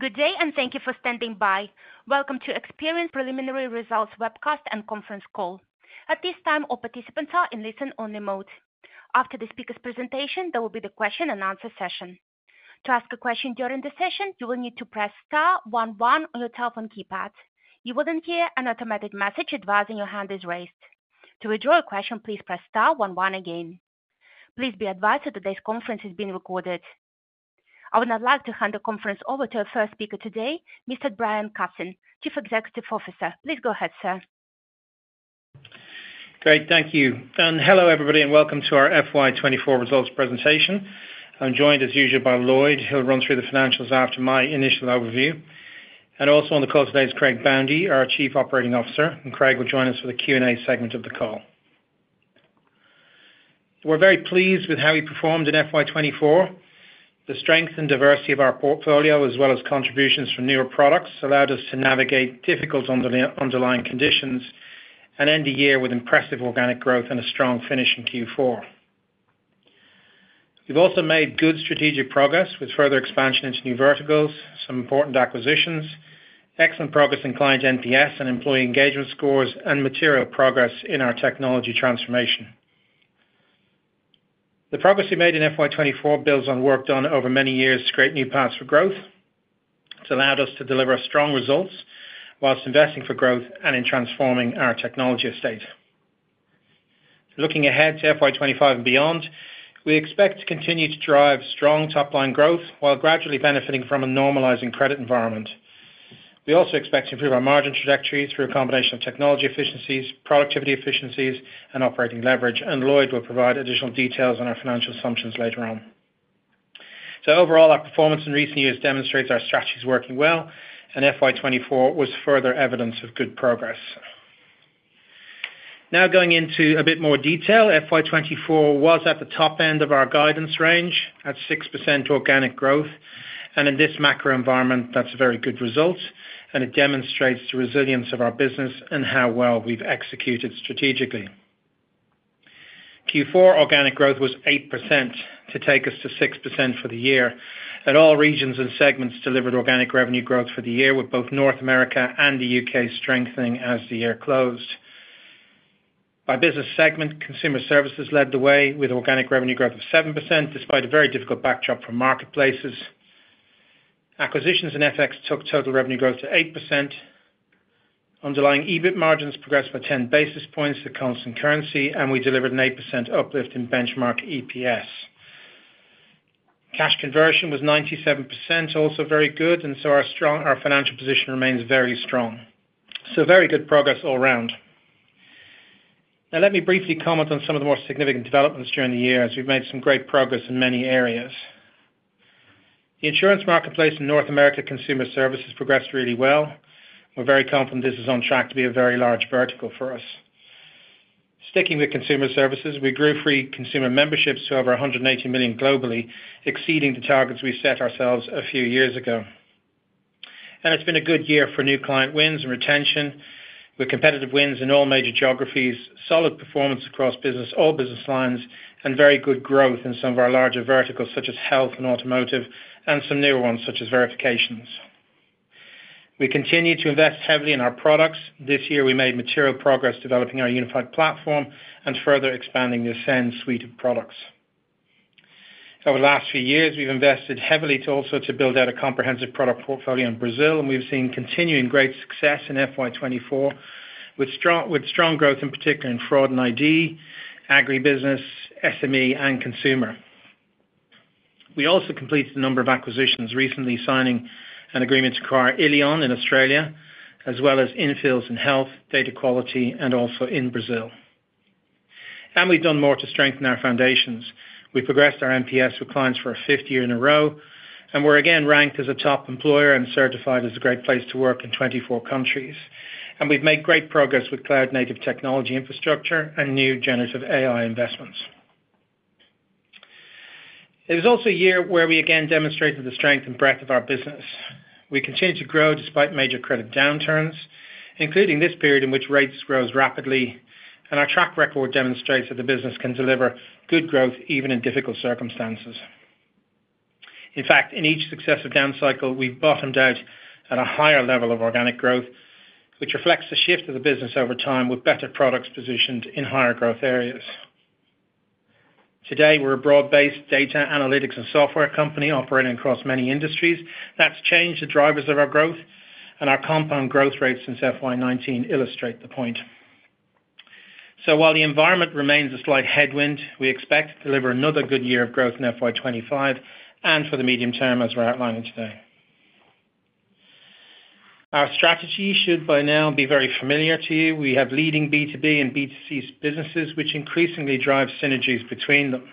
Good day and thank you for standing by. Welcome to Experian Preliminary Results webcast and conference call. At this time, all participants are in listen-only mode. After the speaker's presentation, there will be the question-and-answer session. To ask a question during the session, you will need to press star 11 on your telephone keypad. You will then hear an automatic message advising your hand is raised. To withdraw a question, please press star 11 again. Please be advised that today's conference is being recorded. I would now like to hand the conference over to our first speaker today, Mr. Brian Cassin, Chief Executive Officer. Please go ahead, sir. Great, thank you. And hello, everybody, and welcome to our FY24 results presentation. I'm joined, as usual, by Lloyd. He'll run through the financials after my initial overview. And also on the call today is Craig Boundy, our Chief Operating Officer, and Craig will join us for the Q&A segment of the call. We're very pleased with how we performed in FY24. The strength and diversity of our portfolio, as well as contributions from newer products, allowed us to navigate difficult underlying conditions and end the year with impressive organic growth and a strong finish in Q4. We've also made good strategic progress with further expansion into new verticals, some important acquisitions, excellent progress in client NPS and employee engagement scores, and material progress in our technology transformation. The progress we made in FY24 builds on work done over many years to create new paths for growth. It's allowed us to deliver strong results while investing for growth and in transforming our technology estate. Looking ahead to FY25 and beyond, we expect to continue to drive strong top-line growth while gradually benefiting from a normalizing credit environment. We also expect to improve our margin trajectory through a combination of technology efficiencies, productivity efficiencies, and operating leverage, and Lloyd will provide additional details on our financial assumptions later on. So overall, our performance in recent years demonstrates our strategy's working well, and FY24 was further evidence of good progress. Now going into a bit more detail, FY24 was at the top end of our guidance range at 6% organic growth, and in this macro environment, that's a very good result, and it demonstrates the resilience of our business and how well we've executed strategically. Q4 organic growth was 8% to take us to 6% for the year, and all regions and segments delivered organic revenue growth for the year, with both North America and the UK strengthening as the year closed. By business segment, consumer services led the way with organic revenue growth of 7% despite a very difficult backdrop from marketplaces. Acquisitions and FX took total revenue growth to 8%. Underlying EBIT margins progressed by 10 basis points to constant currency, and we delivered an 8% uplift in benchmark EPS. Cash conversion was 97%, also very good, and so our financial position remains very strong. So very good progress all round. Now let me briefly comment on some of the more significant developments during the year as we've made some great progress in many areas. The insurance marketplace in North America consumer services progressed really well. We're very confident this is on track to be a very large vertical for us. Sticking with Consumer Services, we grew free consumer memberships to over 180 million globally, exceeding the targets we set ourselves a few years ago. It's been a good year for new client wins and retention with competitive wins in all major geographies, solid performance across all business lines, and very good growth in some of our larger verticals such as Health and Automotive, and some newer ones such as Verifications. We continue to invest heavily in our products. This year, we made material progress developing our Unified Platform and further expanding the Ascend suite of products. Over the last few years, we've invested heavily also to build out a comprehensive product portfolio in Brazil, and we've seen continuing great success in FY24 with strong growth, in particular, in Fraud and ID, agribusiness, SME, and consumer. We also completed a number of acquisitions, recently signing an agreement to acquire Illion in Australia, as well as infills in health, data quality, and also in Brazil. We've done more to strengthen our foundations. We progressed our NPS with clients for a fifth year in a row, and we're again ranked as a top employer and certified as a great place to work in 24 countries. We've made great progress with cloud-native technology infrastructure and new generative AI investments. It was also a year where we again demonstrated the strength and breadth of our business. We continue to grow despite major credit downturns, including this period in which rates rose rapidly, and our track record demonstrates that the business can deliver good growth even in difficult circumstances. In fact, in each successive downcycle, we've bottomed out at a higher level of organic growth, which reflects the shift of the business over time with better products positioned in higher growth areas. Today, we're a broad-based data, analytics, and software company operating across many industries. That's changed the drivers of our growth, and our compound growth rates since FY19 illustrate the point. So while the environment remains a slight headwind, we expect to deliver another good year of growth in FY25 and for the medium term, as we're outlining today. Our strategy should by now be very familiar to you. We have leading B2B and B2C businesses, which increasingly drive synergies between them.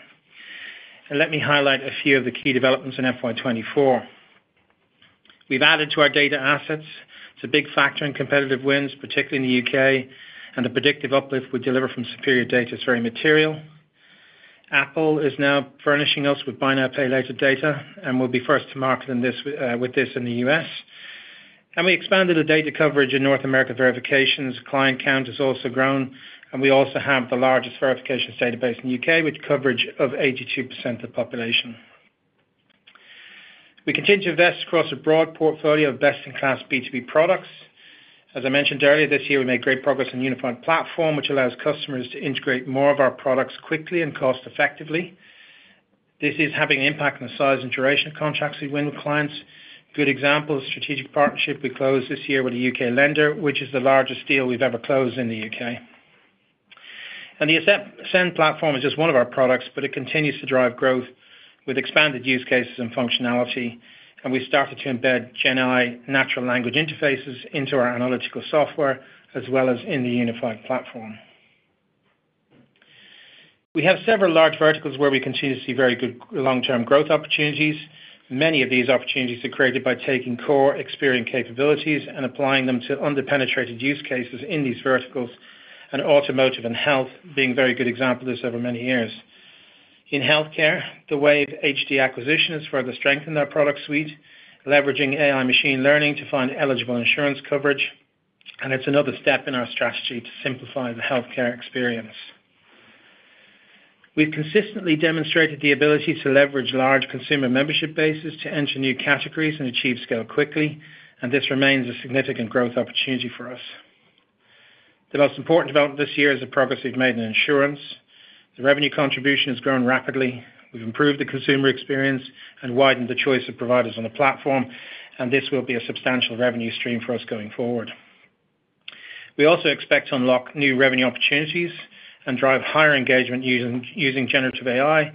Let me highlight a few of the key developments in FY24. We've added to our data assets. It's a big factor in competitive wins, particularly in the UK, and the predictive uplift we deliver from superior data is very material. Apple is now furnishing us with Buy Now Pay Later data and will be first to market with this in the US. And we expanded the data coverage in North America Verifications. Client count has also grown, and we also have the largest Verificationsdatabase in the UK with coverage of 82% of the population. We continue to invest across a broad portfolio of best-in-class B2B products. As I mentioned earlier, this year we made great progress in Unified Platform, which allows customers to integrate more of our products quickly and cost-effectively. This is having an impact on the size and duration of contracts we win with clients. Good example of strategic partnership. We closed this year with a UK lender, which is the largest deal we've ever closed in the UK. The Ascend platform is just one of our products, but it continues to drive growth with expanded use cases and functionality, and we started to embed GenAI natural language interfaces into our analytical software as well as in the Unified Platform. We have several large verticals where we continue to see very good long-term growth opportunities. Many of these opportunities are created by taking core Experian capabilities and applying them to under-penetrated use cases in these verticals, and Automotive and Health being a very good example of this over many years. In healthcare, the Wave HDC acquisition has further strengthened our product suite, leveraging AI machine learning to find eligible insurance coverage, and it's another step in our strategy to simplify the healthcare experience. We've consistently demonstrated the ability to leverage large consumer membership bases to enter new categories and achieve scale quickly, and this remains a significant growth opportunity for us. The most important development this year is the progress we've made in insurance. The revenue contribution has grown rapidly. We've improved the consumer experience and widened the choice of providers on the platform, and this will be a substantial revenue stream for us going forward. We also expect to unlock new revenue opportunities and drive higher engagement using generative AI,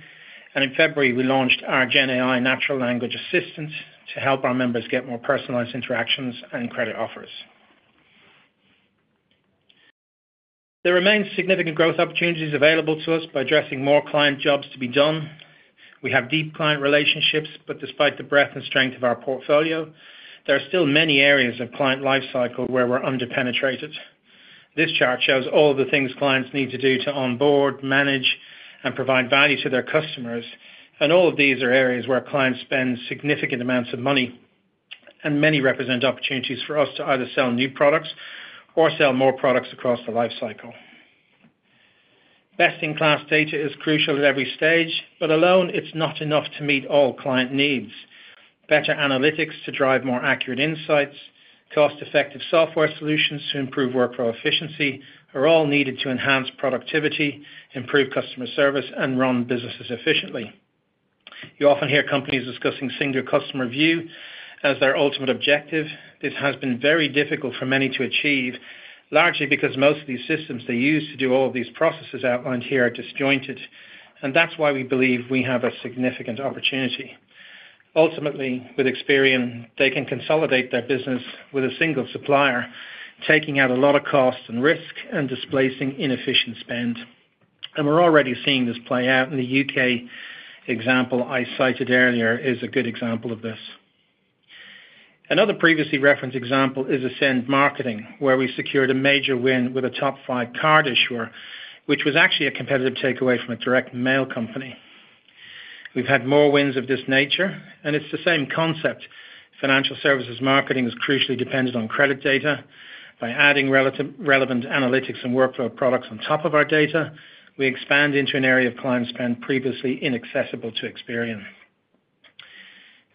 and in February, we launched our GenAI natural language assistant to help our members get more personalized interactions and credit offers. There remain significant growth opportunities available to us by addressing more client jobs to be done. We have deep client relationships, but despite the breadth and strength of our portfolio, there are still many areas of client lifecycle where we're under-penetrated. This chart shows all of the things clients need to do to onboard, manage, and provide value to their customers, and all of these are areas where clients spend significant amounts of money, and many represent opportunities for us to either sell new products or sell more products across the lifecycle. Best-in-class data is crucial at every stage, but alone, it's not enough to meet all client needs. Better analytics to drive more accurate insights, cost-effective software solutions to improve workflow efficiency are all needed to enhance productivity, improve customer service, and run businesses efficiently. You often hear companies discussing single customer view as their ultimate objective. This has been very difficult for many to achieve, largely because most of these systems they use to do all of these processes outlined here are disjointed, and that's why we believe we have a significant opportunity. Ultimately, with Experian, they can consolidate their business with a single supplier, taking out a lot of cost and risk and displacing inefficient spend, and we're already seeing this play out, and the UK example I cited earlier is a good example of this. Another previously referenced example is Ascend Marketing, where we secured a major win with a top-five card issuer, which was actually a competitive takeaway from a direct mail company. We've had more wins of this nature, and it's the same concept. Financial services marketing is crucially dependent on credit data. By adding relevant analytics and workflow products on top of our data, we expand into an area of client spend previously inaccessible to Experian.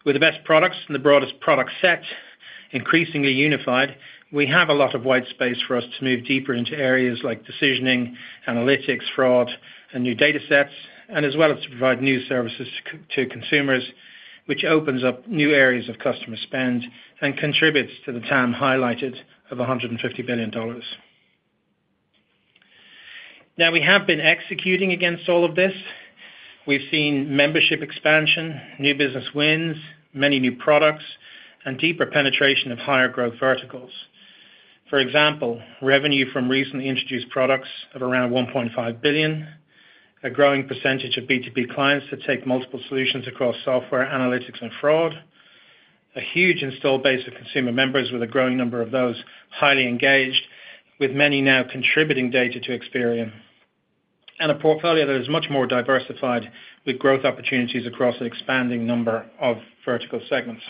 With the best products and the broadest product set, increasingly unified, we have a lot of white space for us to move deeper into areas like decisioning, analytics, fraud, and new datasets, and as well as to provide new services to consumers, which opens up new areas of customer spend and contributes to the TAM highlighted of $150 billion. Now, we have been executing against all of this. We've seen membership expansion, new business wins, many new products, and deeper penetration of higher growth verticals. For example, revenue from recently introduced products of around $1.5 billion, a growing percentage of B2B clients that take multiple solutions across software, analytics, and fraud, a huge installed base of consumer members with a growing number of those highly engaged, with many now contributing data to Experian, and a portfolio that is much more diversified with growth opportunities across an expanding number of vertical segments.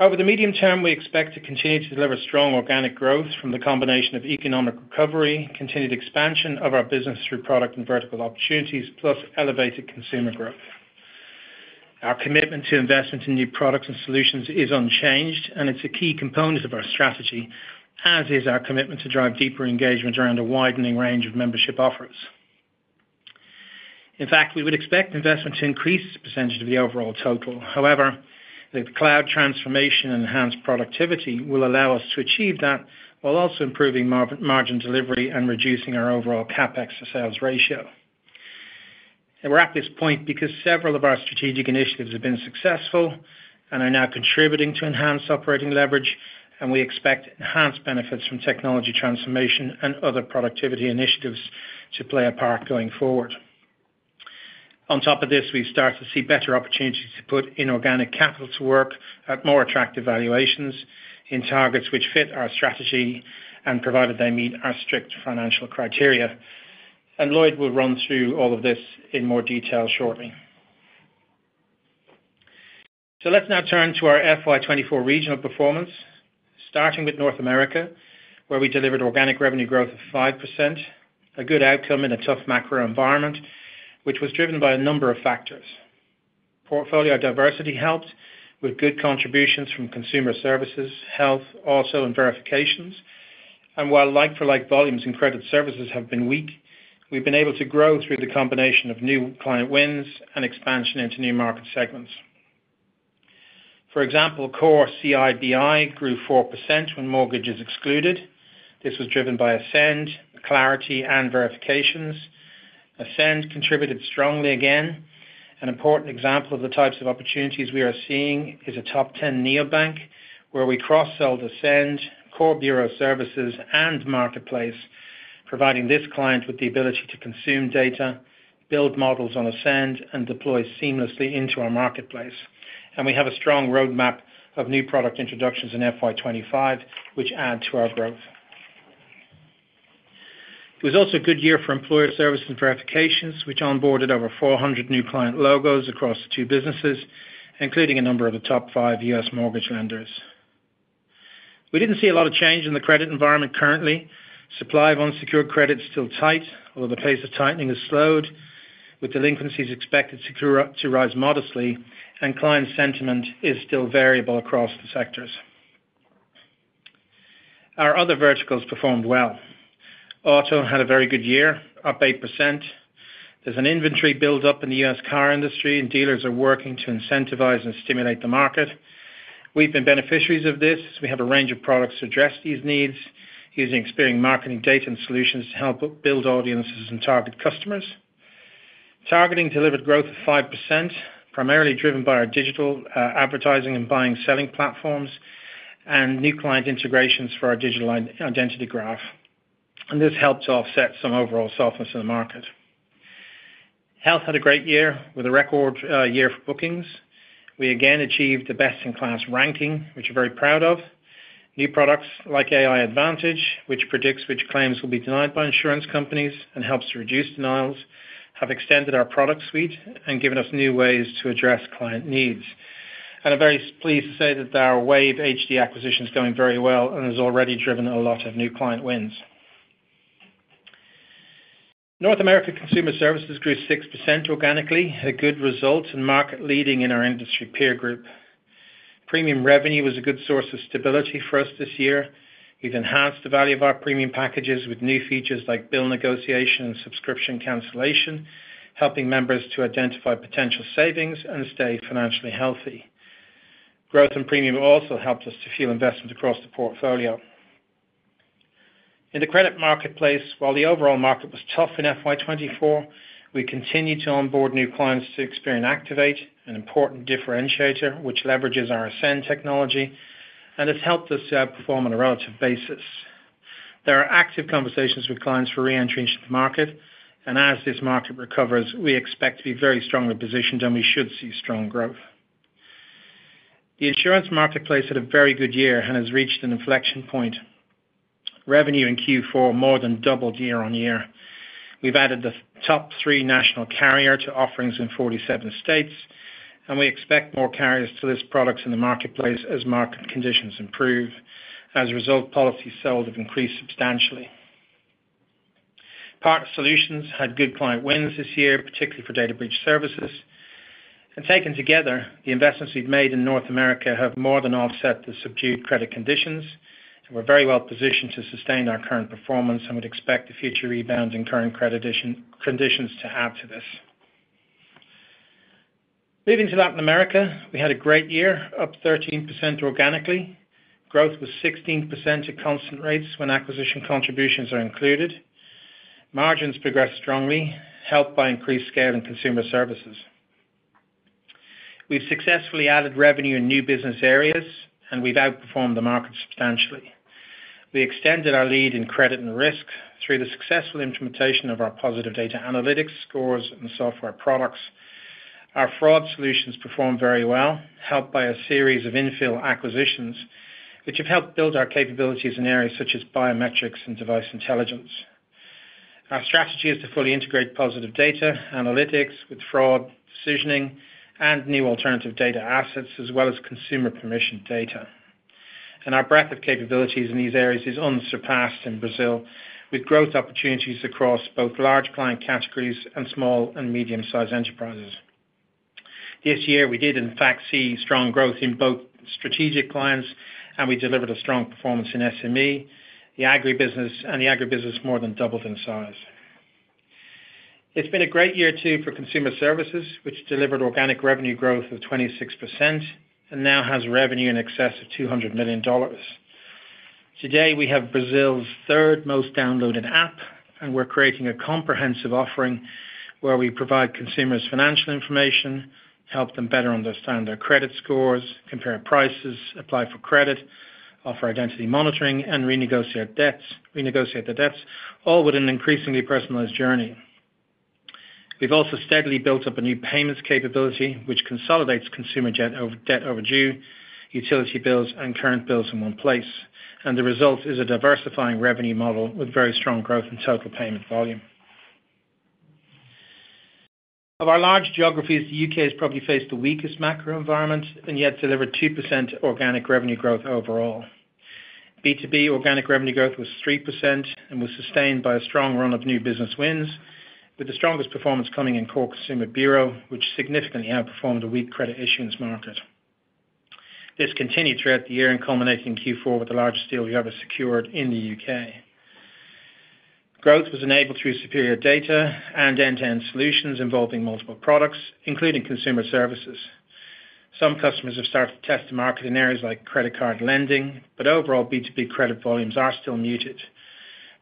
Over the medium term, we expect to continue to deliver strong organic growth from the combination of economic recovery, continued expansion of our business through product and vertical opportunities, plus elevated consumer growth. Our commitment to investment in new products and solutions is unchanged, and it's a key component of our strategy, as is our commitment to drive deeper engagement around a widening range of membership offers. In fact, we would expect investment to increase the percentage of the overall total. However, the cloud transformation and enhanced productivity will allow us to achieve that while also improving margin delivery and reducing our overall CAPEX to sales ratio. We're at this point because several of our strategic initiatives have been successful and are now contributing to enhanced operating leverage, and we expect enhanced benefits from technology transformation and other productivity initiatives to play a part going forward. On top of this, we start to see better opportunities to put inorganic capital to work at more attractive valuations in targets which fit our strategy and provided they meet our strict financial criteria. Lloyd will run through all of this in more detail shortly. Let's now turn to our FY24 regional performance, starting with North America, where we delivered organic revenue growth of 5%, a good outcome in a tough macro environment, which was driven by a number of factors. Portfolio diversity helped with good contributions from consumer services, health, also, and Verifications, and while like-for-like volumes in credit services have been weak, we've been able to grow through the combination of new client wins and expansion into new market segments. For example, Core CI grew 4% when mortgages excluded. This was driven by Ascend, Clarity, and Verifications. Ascend contributed strongly again. An important example of the types of opportunities we are seeing is a top-10 neobank where we cross-sold Ascend, core bureau services, and marketplace, providing this client with the ability to consume data, build models on Ascend, and deploy seamlessly into our marketplace. We have a strong roadmap of new product introductions in FY25, which add to our growth. It was also a good year for Employer Services and Verifications, which onboarded over 400 new client logos across the two businesses, including a number of the top five U.S. mortgage lenders. We didn't see a lot of change in the credit environment currently. Supply of unsecured credit's still tight, although the pace of tightening has slowed, with delinquencies expected to rise modestly, and client sentiment is still variable across the sectors. Our other verticals performed well. Auto had a very good year, up 8%. There's an inventory buildup in the U.S. car industry, and dealers are working to incentivize and stimulate the market. We've been beneficiaries of this as we have a range of products to address these needs using Experian marketing data and solutions to help build audiences and target customers. Targeting delivered growth of 5%, primarily driven by our digital advertising and buying/selling platforms and new client integrations for our digital identity graph, and this helped offset some overall softness in the market. Health had a great year with a record year for bookings. We again achieved the best-in-class ranking, which we're very proud of. New products like AI Advantage, which predicts which claims will be denied by insurance companies and helps to reduce denials, have extended our product suite and given us new ways to address client needs. I'm very pleased to say that our Wave HDC acquisition's going very well and has already driven a lot of new client wins. North America Consumer Services grew 6% organically, a good result, and market leading in our industry peer group. Premium revenue was a good source of stability for us this year. We've enhanced the value of our premium packages with new features like bill negotiation and subscription cancellation, helping members to identify potential savings and stay financially healthy. Growth in premium also helped us to fuel investment across the portfolio. In the credit marketplace, while the overall market was tough in FY24, we continued to onboard new clients to Experian Activate, an important differentiator which leverages our Experian Ascend technology, and it's helped us to perform on a relative basis. There are active conversations with clients for re-entry into the market, and as this market recovers, we expect to be very strongly positioned, and we should see strong growth. The insurance marketplace had a very good year and has reached an inflection point. Revenue in Q4 more than doubled year on year. We've added the top three national carriers to offerings in 47 states, and we expect more carriers to list products in the marketplace as market conditions improve. As a result, policies sold have increased substantially. Partner Solutions had good client wins this year, particularly for data breach services. Taken together, the investments we've made in North America have more than offset the subdued credit conditions and were very well positioned to sustain our current performance, and we'd expect the future rebounds in current credit conditions to add to this. Moving to Latin America, we had a great year, up 13% organically. Growth was 16% at constant rates when acquisition contributions are included. Margins progressed strongly, helped by increased scale in Consumer Services. We've successfully added revenue in new business areas, and we've outperformed the market substantially. We extended our lead in credit and risk through the successful implementation of our positive data analytics scores and software products. Our fraud solutions performed very well, helped by a series of infill acquisitions, which have helped build our capabilities in areas such as biometrics and device intelligence. Our strategy is to fully integrate positive data analytics with fraud decisioning and new alternative data assets, as well as consumer permission data. Our breadth of capabilities in these areas is unsurpassed in Brazil, with growth opportunities across both large client categories and small and medium-sized enterprises. This year, we did, in fact, see strong growth in both strategic clients, and we delivered a strong performance in SME. The agribusiness more than doubled in size. It's been a great year too for consumer services, which delivered organic revenue growth of 26% and now has revenue in excess of $200 million. Today, we have Brazil's third most downloaded app, and we're creating a comprehensive offering where we provide consumers financial information, help them better understand their credit scores, compare prices, apply for credit, offer identity monitoring, and renegotiate the debts, all with an increasingly personalized journey. We've also steadily built up a new payments capability, which consolidates consumer debt overdue, utility bills, and current bills in one place, and the result is a diversifying revenue model with very strong growth in total payment volume. Of our large geographies, the UK has probably faced the weakest macro environment and yet delivered 2% organic revenue growth overall. B2B organic revenue growth was 3% and was sustained by a strong run of new business wins, with the strongest performance coming in core consumer bureau, which significantly outperformed a weak credit issuance market. This continued throughout the year and culminated in Q4 with the largest deal we ever secured in the UK. Growth was enabled through superior data and end-to-end solutions involving multiple products, including Consumer Services. Some customers have started to test the market in areas like credit card lending, but overall, B2B credit volumes are still muted.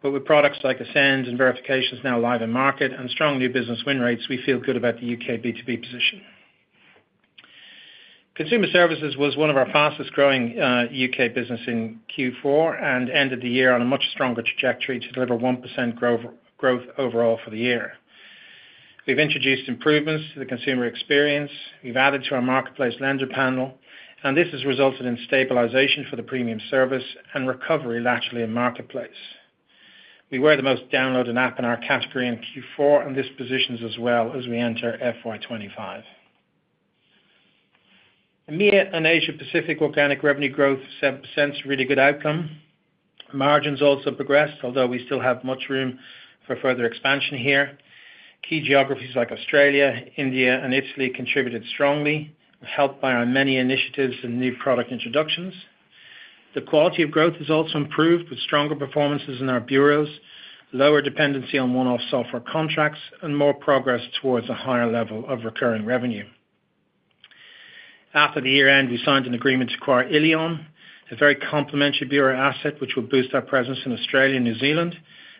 But with products like Ascend and Verifications now live in market and strong new business win rates, we feel good about the UK B2B position. Consumer Services was one of our fastest-growing UK businesses in Q4 and ended the year on a much stronger trajectory to deliver 1% growth overall for the year. We've introduced improvements to the consumer experience. We've added to our marketplace lender panel, and this has resulted in stabilisation for the premium service and recovery laterally in marketplace. We were the most downloaded app in our category in Q4, and this positions us well as we enter FY25. In Asia Pacific, organic revenue growth 8% is a really good outcome. Margins also progressed, although we still have much room for further expansion here. Key geographies like Australia, India, and Italy contributed strongly, helped by our many initiatives and new product introductions. The quality of growth has also improved with stronger performances in our bureaus, lower dependency on one-off software contracts, and more progress towards a higher level of recurring revenue. After the year-end, we signed an agreement to acquire Illion, a very complementary bureau asset which will boost our presence in Australia and New Zealand.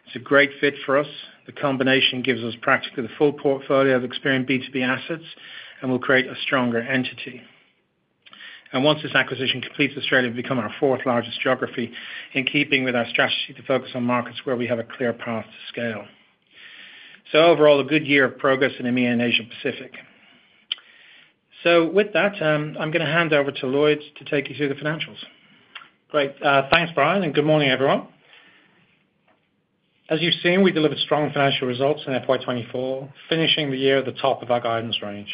It's a great fit for us. The combination gives us practically the full portfolio of Experian B2B assets and will create a stronger entity. Once this acquisition completes, Australia will become our fourth largest geography in keeping with our strategy to focus on markets where we have a clear path to scale. Overall, a good year of progress in India and Asia Pacific. With that, I'm going to hand over to Lloyd to take you through the financials. Great. Thanks, Brian, and good morning, everyone. As you've seen, we delivered strong financial results in FY24, finishing the year at the top of our guidance range.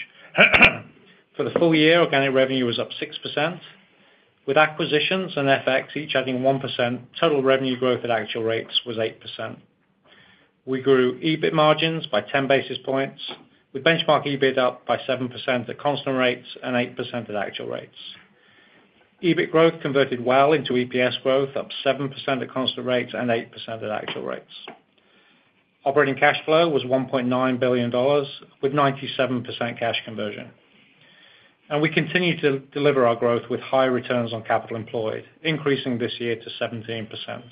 For the full year, organic revenue was up 6%, with acquisitions and FX each adding 1%. Total revenue growth at actual rates was 8%. We grew EBIT margins by 10 basis points, with benchmark EBIT up by 7% at constant rates and 8% at actual rates. EBIT growth converted well into EPS growth, up 7% at constant rates and 8% at actual rates. Operating cash flow was $1.9 billion, with 97% cash conversion. We continue to deliver our growth with high returns on capital employed, increasing this year to 17%.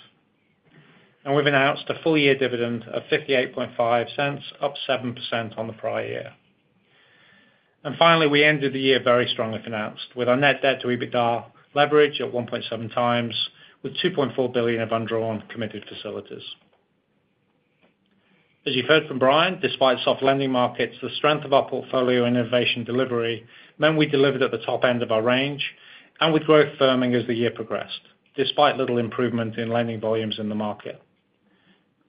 We've announced a full-year dividend of $0.585, up 7% on the prior year. Finally, we ended the year very strongly financed, with our net debt to EBITDA leverage at 1.7 times, with $2.4 billion of undrawn committed facilities. As you've heard from Brian, despite soft lending markets, the strength of our portfolio and innovation delivery meant we delivered at the top end of our range, and with growth firming as the year progressed, despite little improvement in lending volumes in the market.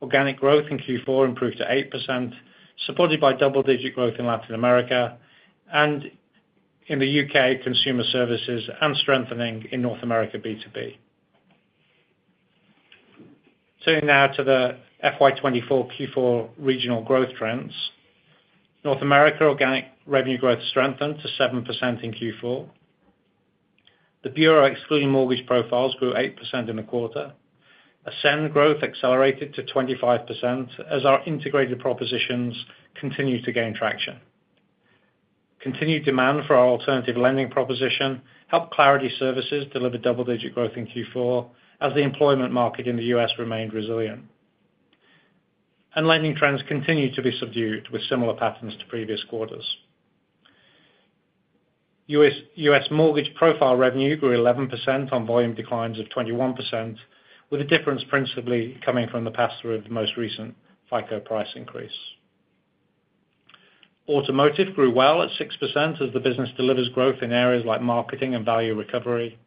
Organic growth in Q4 improved to 8%, supported by double-digit growth in Latin America and in the UK consumer services and strengthening in North America B2B. Turning now to the FY24 Q4 regional growth trends. North America organic revenue growth strengthened to 7% in Q4. The bureau excluding mortgage profiles grew 8% in the quarter. Ascend growth accelerated to 25% as our integrated propositions continued to gain traction. Continued demand for our alternative lending proposition helped Clarity Services deliver double-digit growth in Q4 as the employment market in the U.S. remained resilient. Lending trends continue to be subdued with similar patterns to previous quarters. U.S. mortgage profile revenue grew 11% on volume declines of 21%, with the difference principally coming from the pass-through of the most recent FICO price increase. Automotive grew well at 6% as the business delivers growth in areas like marketing and value recovery.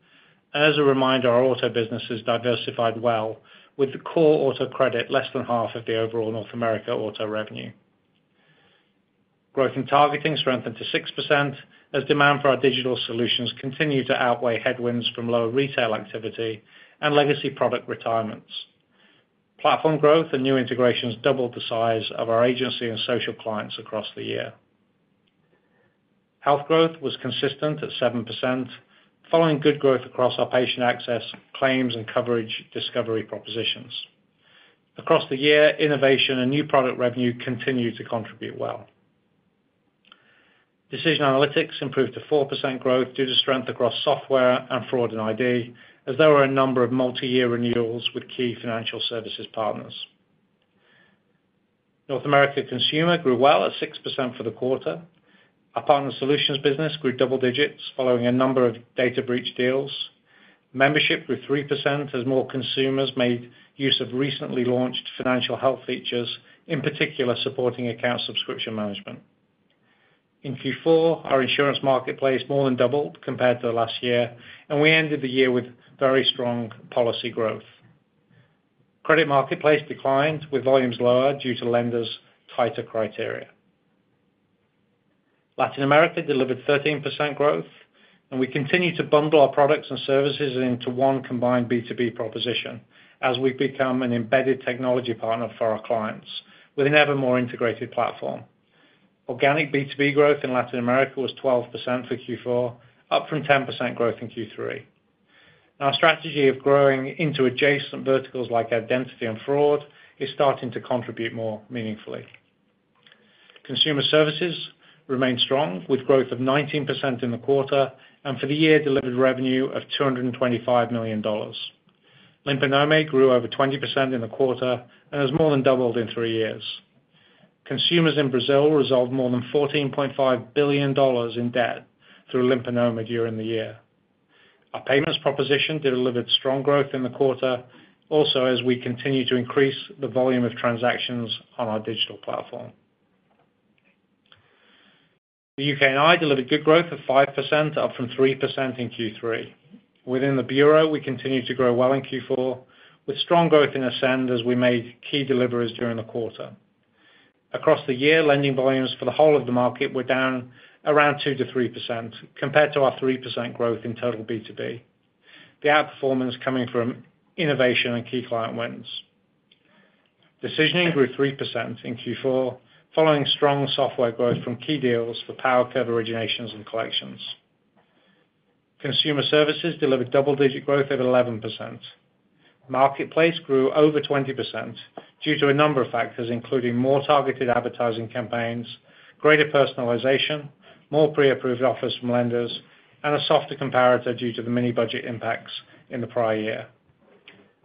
As a reminder, our auto business has diversified well, with the core auto credit less than half of the overall North America auto revenue. Growth in targeting strengthened to 6% as demand for our digital solutions continue to outweigh headwinds from lower retail activity and legacy product retirements. Platform growth and new integrations doubled the size of our agency and social clients across the year. Health growth was consistent at 7%, following good growth across our patient access, claims, and coverage discovery propositions. Across the year, innovation and new product revenue continue to contribute well. Decision analytics improved to 4% growth due to strength across software and Fraud and ID, as there were a number of multi-year renewals with key financial services partners. North America consumer grew well at 6% for the quarter. Our partner solutions business grew double digits, following a number of data breach deals. Membership grew 3% as more consumers made use of recently launched financial health features, in particular supporting account subscription management. In Q4, our insurance marketplace more than doubled compared to the last year, and we ended the year with very strong policy growth. Credit marketplace declined with volumes lower due to lenders' tighter criteria. Latin America delivered 13% growth, and we continue to bundle our products and services into one combined B2B proposition as we've become an embedded technology partner for our clients with an ever more integrated platform. Organic B2B growth in Latin America was 12% for Q4, up from 10% growth in Q3. Our strategy of growing into adjacent verticals like identity and fraud is starting to contribute more meaningfully. Consumer services remained strong, with growth of 19% in the quarter and for the year delivered revenue of $225 million. Limpa Nome grew over 20% in the quarter and has more than doubled in three years. Consumers in Brazil resolved more than $14.5 billion in debt through Limpa Nome during the year. Our payments proposition delivered strong growth in the quarter, also as we continue to increase the volume of transactions on our digital platform. The United Kingdom and Ireland delivered good growth of 5%, up from 3% in Q3. Within the bureau, we continue to grow well in Q4, with strong growth in Ascend as we made key deliveries during the quarter. Across the year, lending volumes for the whole of the market were down around 2%-3% compared to our 3% growth in total B2B. The outperformance coming from innovation and key client wins. Decisioning grew 3% in Q4, following strong software growth from key deals for PowerCurve originations and collections. Consumer services delivered double-digit growth of 11%. Marketplace grew over 20% due to a number of factors, including more targeted advertising campaigns, greater personalization, more pre-approved offers from lenders, and a softer comparator due to the mini-budget impacts in the prior year.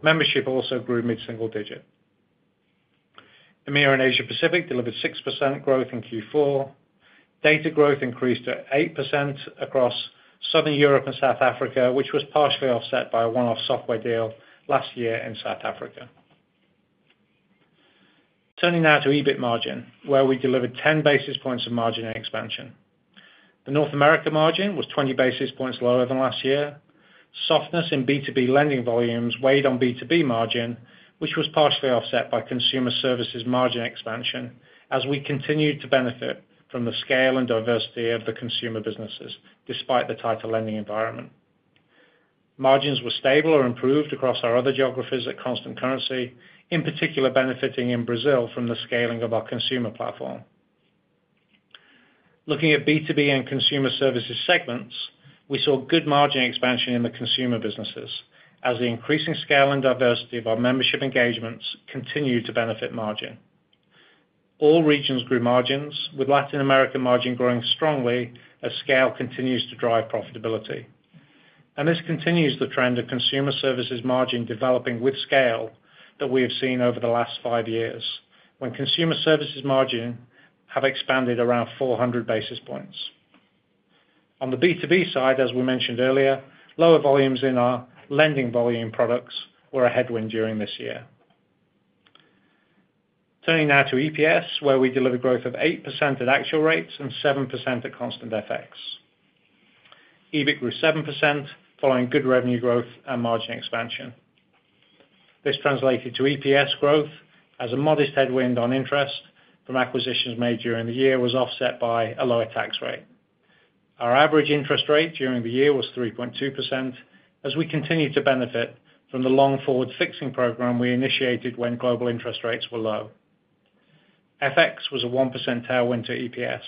Membership also grew mid-single digit. EMEA and Asia Pacific delivered 6% growth in Q4. Data growth increased to 8% across Southern Europe and South Africa, which was partially offset by a one-off software deal last year in South Africa. Turning now to EBIT margin, where we delivered 10 basis points of margin expansion. The North America margin was 20 basis points lower than last year. Softness in B2B lending volumes weighed on B2B margin, which was partially offset by consumer services margin expansion as we continued to benefit from the scale and diversity of the consumer businesses despite the tighter lending environment. Margins were stable or improved across our other geographies at constant currency, in particular benefiting in Brazil from the scaling of our consumer platform. Looking at B2B and consumer services segments, we saw good margin expansion in the consumer businesses as the increasing scale and diversity of our membership engagements continued to benefit margin. All regions grew margins, with Latin American margin growing strongly as scale continues to drive profitability. And this continues the trend of consumer services margin developing with scale that we have seen over the last 5 years, when consumer services margin have expanded around 400 basis points. On the B2B side, as we mentioned earlier, lower volumes in our lending volume products were a headwind during this year. Turning now to EPS, where we delivered growth of 8% at actual rates and 7% at constant FX. EBIT grew 7%, following good revenue growth and margin expansion. This translated to EPS growth as a modest headwind on interest from acquisitions made during the year was offset by a lower tax rate. Our average interest rate during the year was 3.2% as we continued to benefit from the long-forward fixing program we initiated when global interest rates were low. FX was a 1% tailwind to EPS.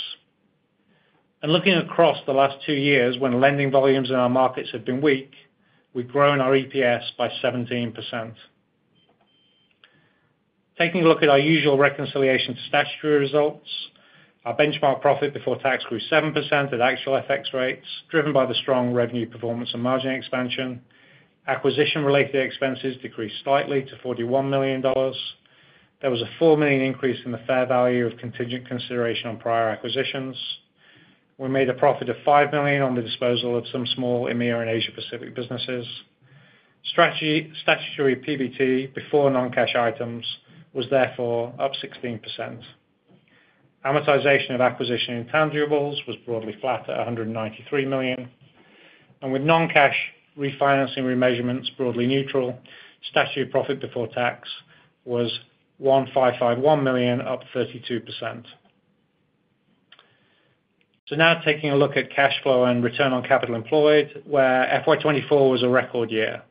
Looking across the last two years, when lending volumes in our markets have been weak, we've grown our EPS by 17%. Taking a look at our usual reconciliation to statutory results, our benchmark profit before tax grew 7% at actual FX rates, driven by the strong revenue performance and margin expansion. Acquisition-related expenses decreased slightly to $41 million. There was a $4 million increase in the fair value of contingent consideration on prior acquisitions. We made a profit of $5 million on the disposal of some small EMEA and Asia Pacific businesses. Statutory PBT before non-cash items was therefore up 16%. Amortization of acquisition intangibles was broadly flat at $193 million. And with non-cash refinancing remeasurements broadly neutral, statutory profit before tax was $1,551 million, up 32%. So now taking a look at cash flow and return on capital employed, where FY24 was a record year.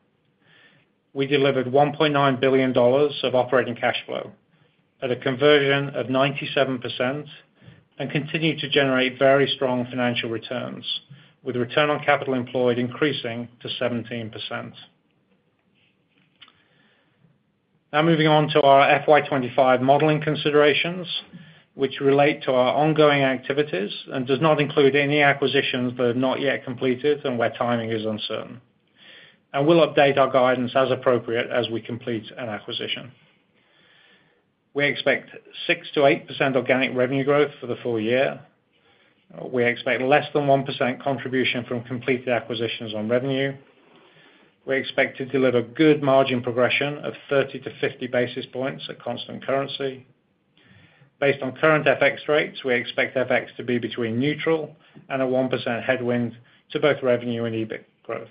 We delivered $1.9 billion of operating cash flow at a conversion of 97% and continued to generate very strong financial returns, with return on capital employed increasing to 17%. Now moving on to our FY25 modeling considerations, which relate to our ongoing activities and does not include any acquisitions that are not yet completed and where timing is uncertain. We'll update our guidance as appropriate as we complete an acquisition. We expect 6%-8% organic revenue growth for the full year. We expect less than 1% contribution from completed acquisitions on revenue. We expect to deliver good margin progression of 30-50 basis points at constant currency. Based on current FX rates, we expect FX to be between neutral and a 1% headwind to both revenue and EBIT growth.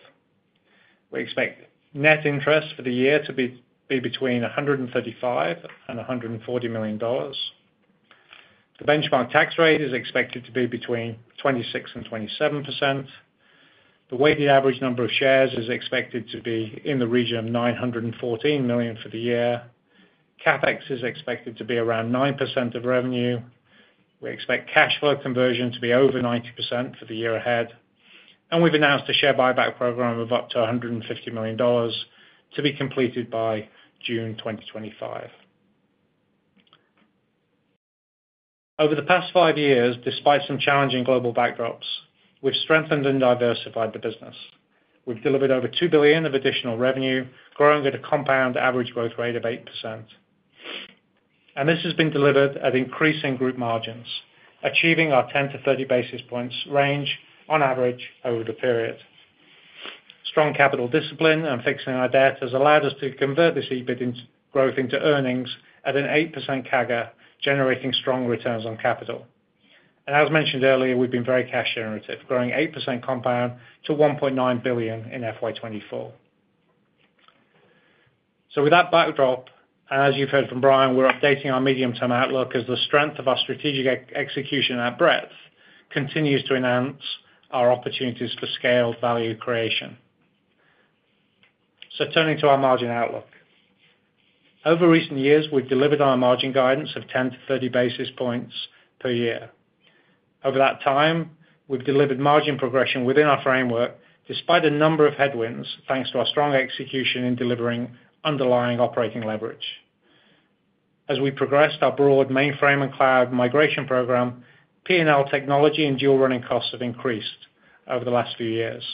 We expect net interest for the year to be between $135 million-$140 million. The benchmark tax rate is expected to be between 26%-27%. The weighted average number of shares is expected to be in the region of 914 million for the year. CapEx is expected to be around 9% of revenue. We expect cash flow conversion to be over 90% for the year ahead. We've announced a share buyback program of up to $150 million to be completed by June 2025. Over the past five years, despite some challenging global backdrops, we've strengthened and diversified the business. We've delivered over $2 billion of additional revenue, growing at a compound average growth rate of 8%. This has been delivered at increasing group margins, achieving our 10-30 basis points range on average over the period. Strong capital discipline and fixing our debt has allowed us to convert this EBIT growth into earnings at an 8% CAGR, generating strong returns on capital. As mentioned earlier, we've been very cash-generative, growing 8% compound to $1.9 billion in FY2024. With that backdrop, and as you've heard from Brian, we're updating our medium-term outlook as the strength of our strategic execution at breadth continues to enhance our opportunities for scaled value creation. Turning to our margin outlook. Over recent years, we've delivered our margin guidance of 10-30 basis points per year. Over that time, we've delivered margin progression within our framework despite a number of headwinds thanks to our strong execution in delivering underlying operating leverage. As we progressed our broad mainframe and cloud migration program, P&L technology and dual-run costs have increased over the last few years.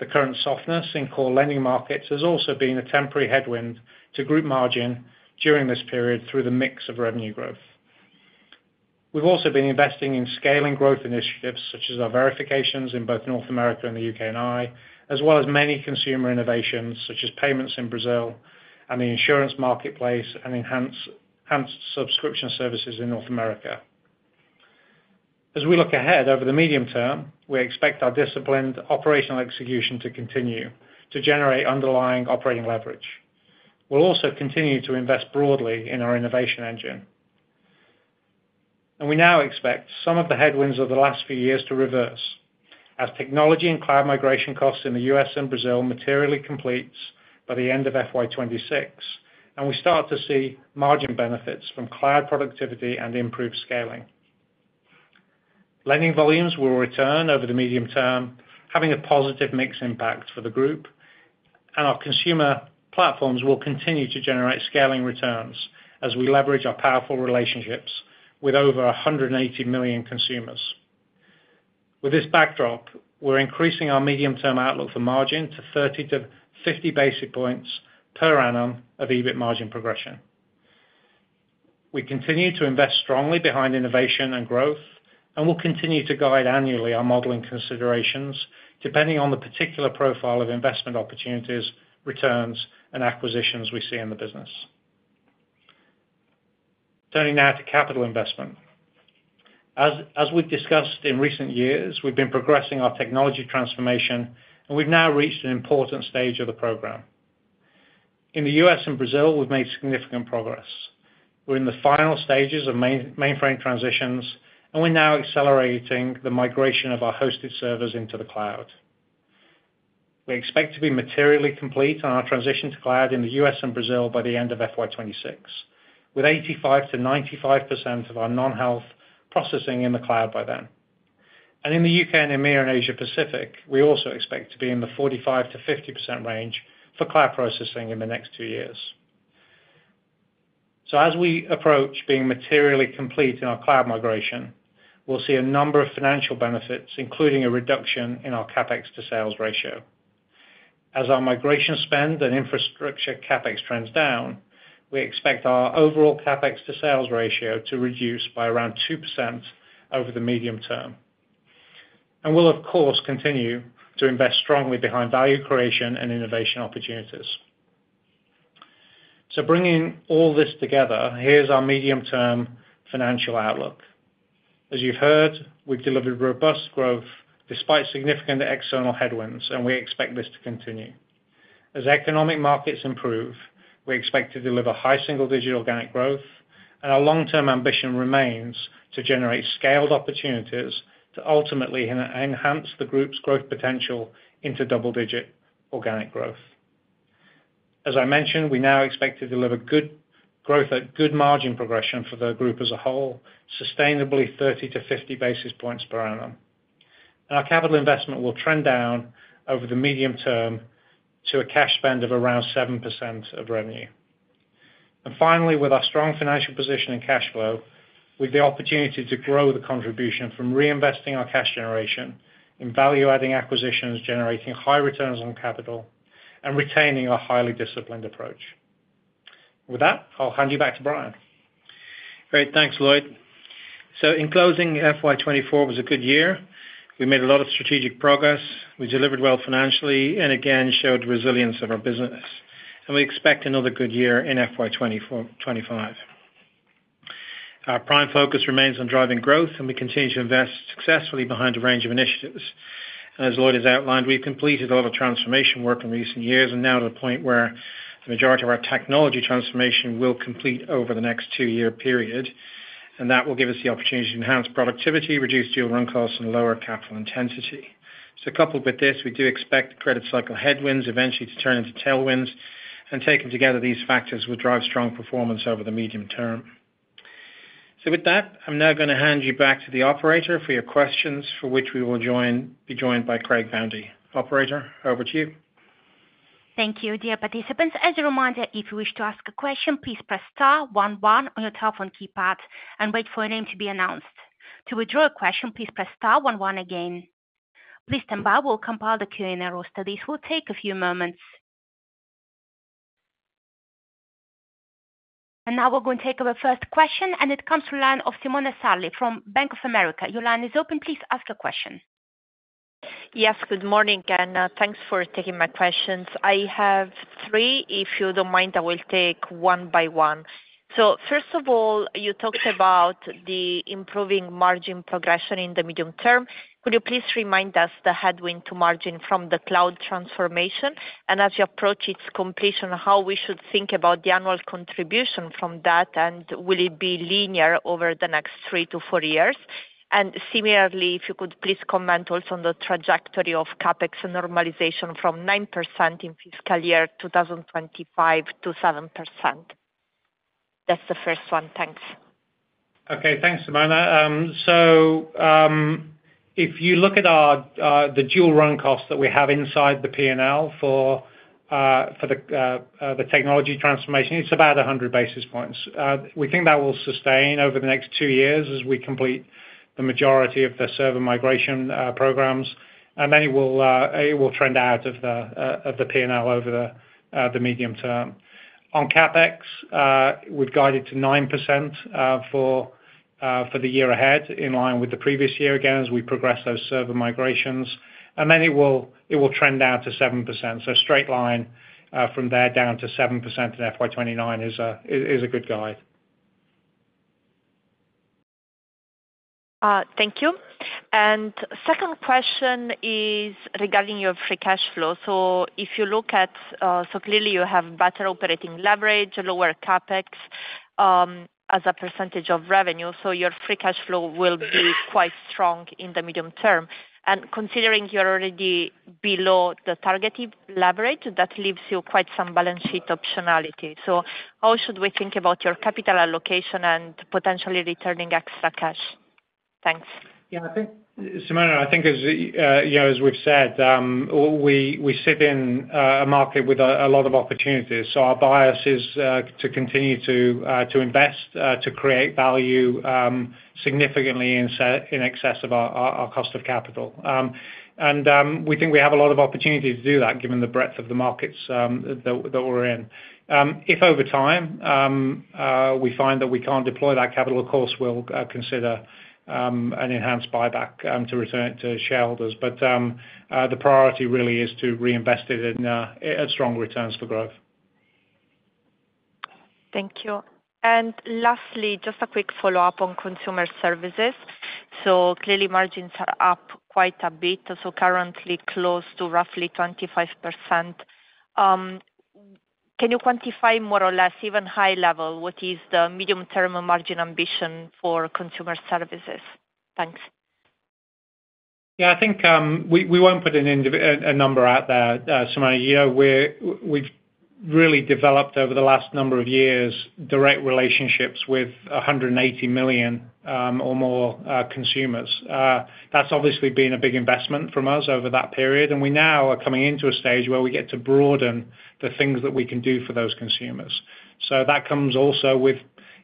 The current softness in core lending markets has also been a temporary headwind to group margin during this period through the mix of revenue growth. We've also been investing in scaling growth initiatives such as our Verifications in both North America and the United Kingdom and Ireland, as well as many consumer innovations such as payments in Brazil and the insurance marketplace and enhanced subscription services in North America. As we look ahead over the medium term, we expect our disciplined operational execution to continue to generate underlying operating leverage. We'll also continue to invest broadly in our innovation engine. We now expect some of the headwinds of the last few years to reverse as technology and cloud migration costs in the U.S. and Brazil materially complete by the end of FY26, and we start to see margin benefits from cloud productivity and improved scaling. Lending volumes will return over the medium term, having a positive mixed impact for the group, and our consumer platforms will continue to generate scaling returns as we leverage our powerful relationships with over 180 million consumers. With this backdrop, we're increasing our medium-term outlook for margin to 30-50 basis points per annum of EBIT margin progression. We continue to invest strongly behind innovation and growth, and we'll continue to guide annually our modeling considerations depending on the particular profile of investment opportunities, returns, and acquisitions we see in the business. Turning now to capital investment. As we've discussed in recent years, we've been progressing our technology transformation, and we've now reached an important stage of the program. In the U.S. and Brazil, we've made significant progress. We're in the final stages of mainframe transitions, and we're now accelerating the migration of our hosted servers into the cloud. We expect to be materially complete on our transition to cloud in the U.S. and Brazil by the end of FY26, with 85%-95% of our non-health processing in the cloud by then. In the UK and EMEA and Asia Pacific, we also expect to be in the 45%-50% range for cloud processing in the next two years. So as we approach being materially complete in our cloud migration, we'll see a number of financial benefits, including a reduction in our CAPEX to sales ratio. As our migration spend and infrastructure CAPEX trends down, we expect our overall CAPEX to sales ratio to reduce by around 2% over the medium term. We'll, of course, continue to invest strongly behind value creation and innovation opportunities. So bringing all this together, here's our medium-term financial outlook. As you've heard, we've delivered robust growth despite significant external headwinds, and we expect this to continue. As economic markets improve, we expect to deliver high single-digit organic growth, and our long-term ambition remains to generate scaled opportunities to ultimately enhance the group's growth potential into double-digit organic growth. As I mentioned, we now expect to deliver good growth at good margin progression for the group as a whole, sustainably 30-50 basis points per annum. Our capital investment will trend down over the medium term to a cash spend of around 7% of revenue. Finally, with our strong financial position and cash flow, we have the opportunity to grow the contribution from reinvesting our cash generation in value-adding acquisitions generating high returns on capital and retaining our highly disciplined approach. With that, I'll hand you back to Brian. Great. Thanks, Lloyd. In closing, FY24 was a good year. We made a lot of strategic progress. We delivered well financially and, again, showed resilience of our business. We expect another good year in FY25. Our prime focus remains on driving growth, and we continue to invest successfully behind a range of initiatives. As Lloyd has outlined, we've completed a lot of transformation work in recent years and now to the point where the majority of our technology transformation will complete over the next two-year period. That will give us the opportunity to enhance productivity, reduce dual-run costs, and lower capital intensity. So coupled with this, we do expect credit cycle headwinds eventually to turn into tailwinds, and taking together these factors will drive strong performance over the medium term. So with that, I'm now going to hand you back to the operator for your questions, for which we will be joined by Craig Boundy. Operator, over to you. Thank you, dear participants. As a reminder, if you wish to ask a question, please press star 11 on your telephone keypad and wait for your name to be announced. To withdraw a question, please press star 11 again. Please stand by. We'll compile the Q&A roster. This will take a few moments. Now we're going to take over first question, and it comes from Simona Sarli from Bank of America. Your line is open. Please ask your question. Yes. Good morning, and thanks for taking my questions. I have three. If you don't mind, I will take one by one. First of all, you talked about the improving margin progression in the medium term. Could you please remind us the headwind to margin from the cloud transformation and, as you approach its completion, how we should think about the annual contribution from that, and will it be linear over the next three to four years? Similarly, if you could please comment also on the trajectory of CAPEX normalization from 9% in fiscal year 2025 to 7%. That's the first one. Thanks. Okay. Thanks, Simona. So if you look at the dual-run costs that we have inside the P&L for the technology transformation, it's about 100 basis points. We think that will sustain over the next two years as we complete the majority of the server migration programs, and then it will trend out of the P&L over the medium term. On CAPEX, we've guided to 9% for the year ahead in line with the previous year again as we progress those server migrations. And then it will trend down to 7%. So straight line from there down to 7% in FY2029 is a good guide. Thank you. Second question is regarding your free cash flow. So if you look at so clearly, you have better operating leverage, lower CAPEX as a percentage of revenue. So your free cash flow will be quite strong in the medium term. And considering you're already below the targeted leverage, that leaves you quite some balance sheet optionality. So how should we think about your capital allocation and potentially returning extra cash? Thanks. Yeah. Simona, I think, as we've said, we sit in a market with a lot of opportunities. So our bias is to continue to invest, to create value significantly in excess of our cost of capital. And we think we have a lot of opportunity to do that given the breadth of the markets that we're in. If over time we find that we can't deploy that capital, of course, we'll consider an enhanced buyback to return it to shareholders. But the priority really is to reinvest it at strong returns for growth. Thank you. And lastly, just a quick follow-up on Consumer Services. So clearly, margins are up quite a bit, so currently close to roughly 25%. Can you quantify more or less, even high-level, what is the medium-term margin ambition for Consumer Services? Thanks. Yeah. I think we won't put a number out there, Simona. We've really developed over the last number of years direct relationships with 180 million or more consumers. That's obviously been a big investment from us over that period, and we now are coming into a stage where we get to broaden the things that we can do for those consumers. So that comes also with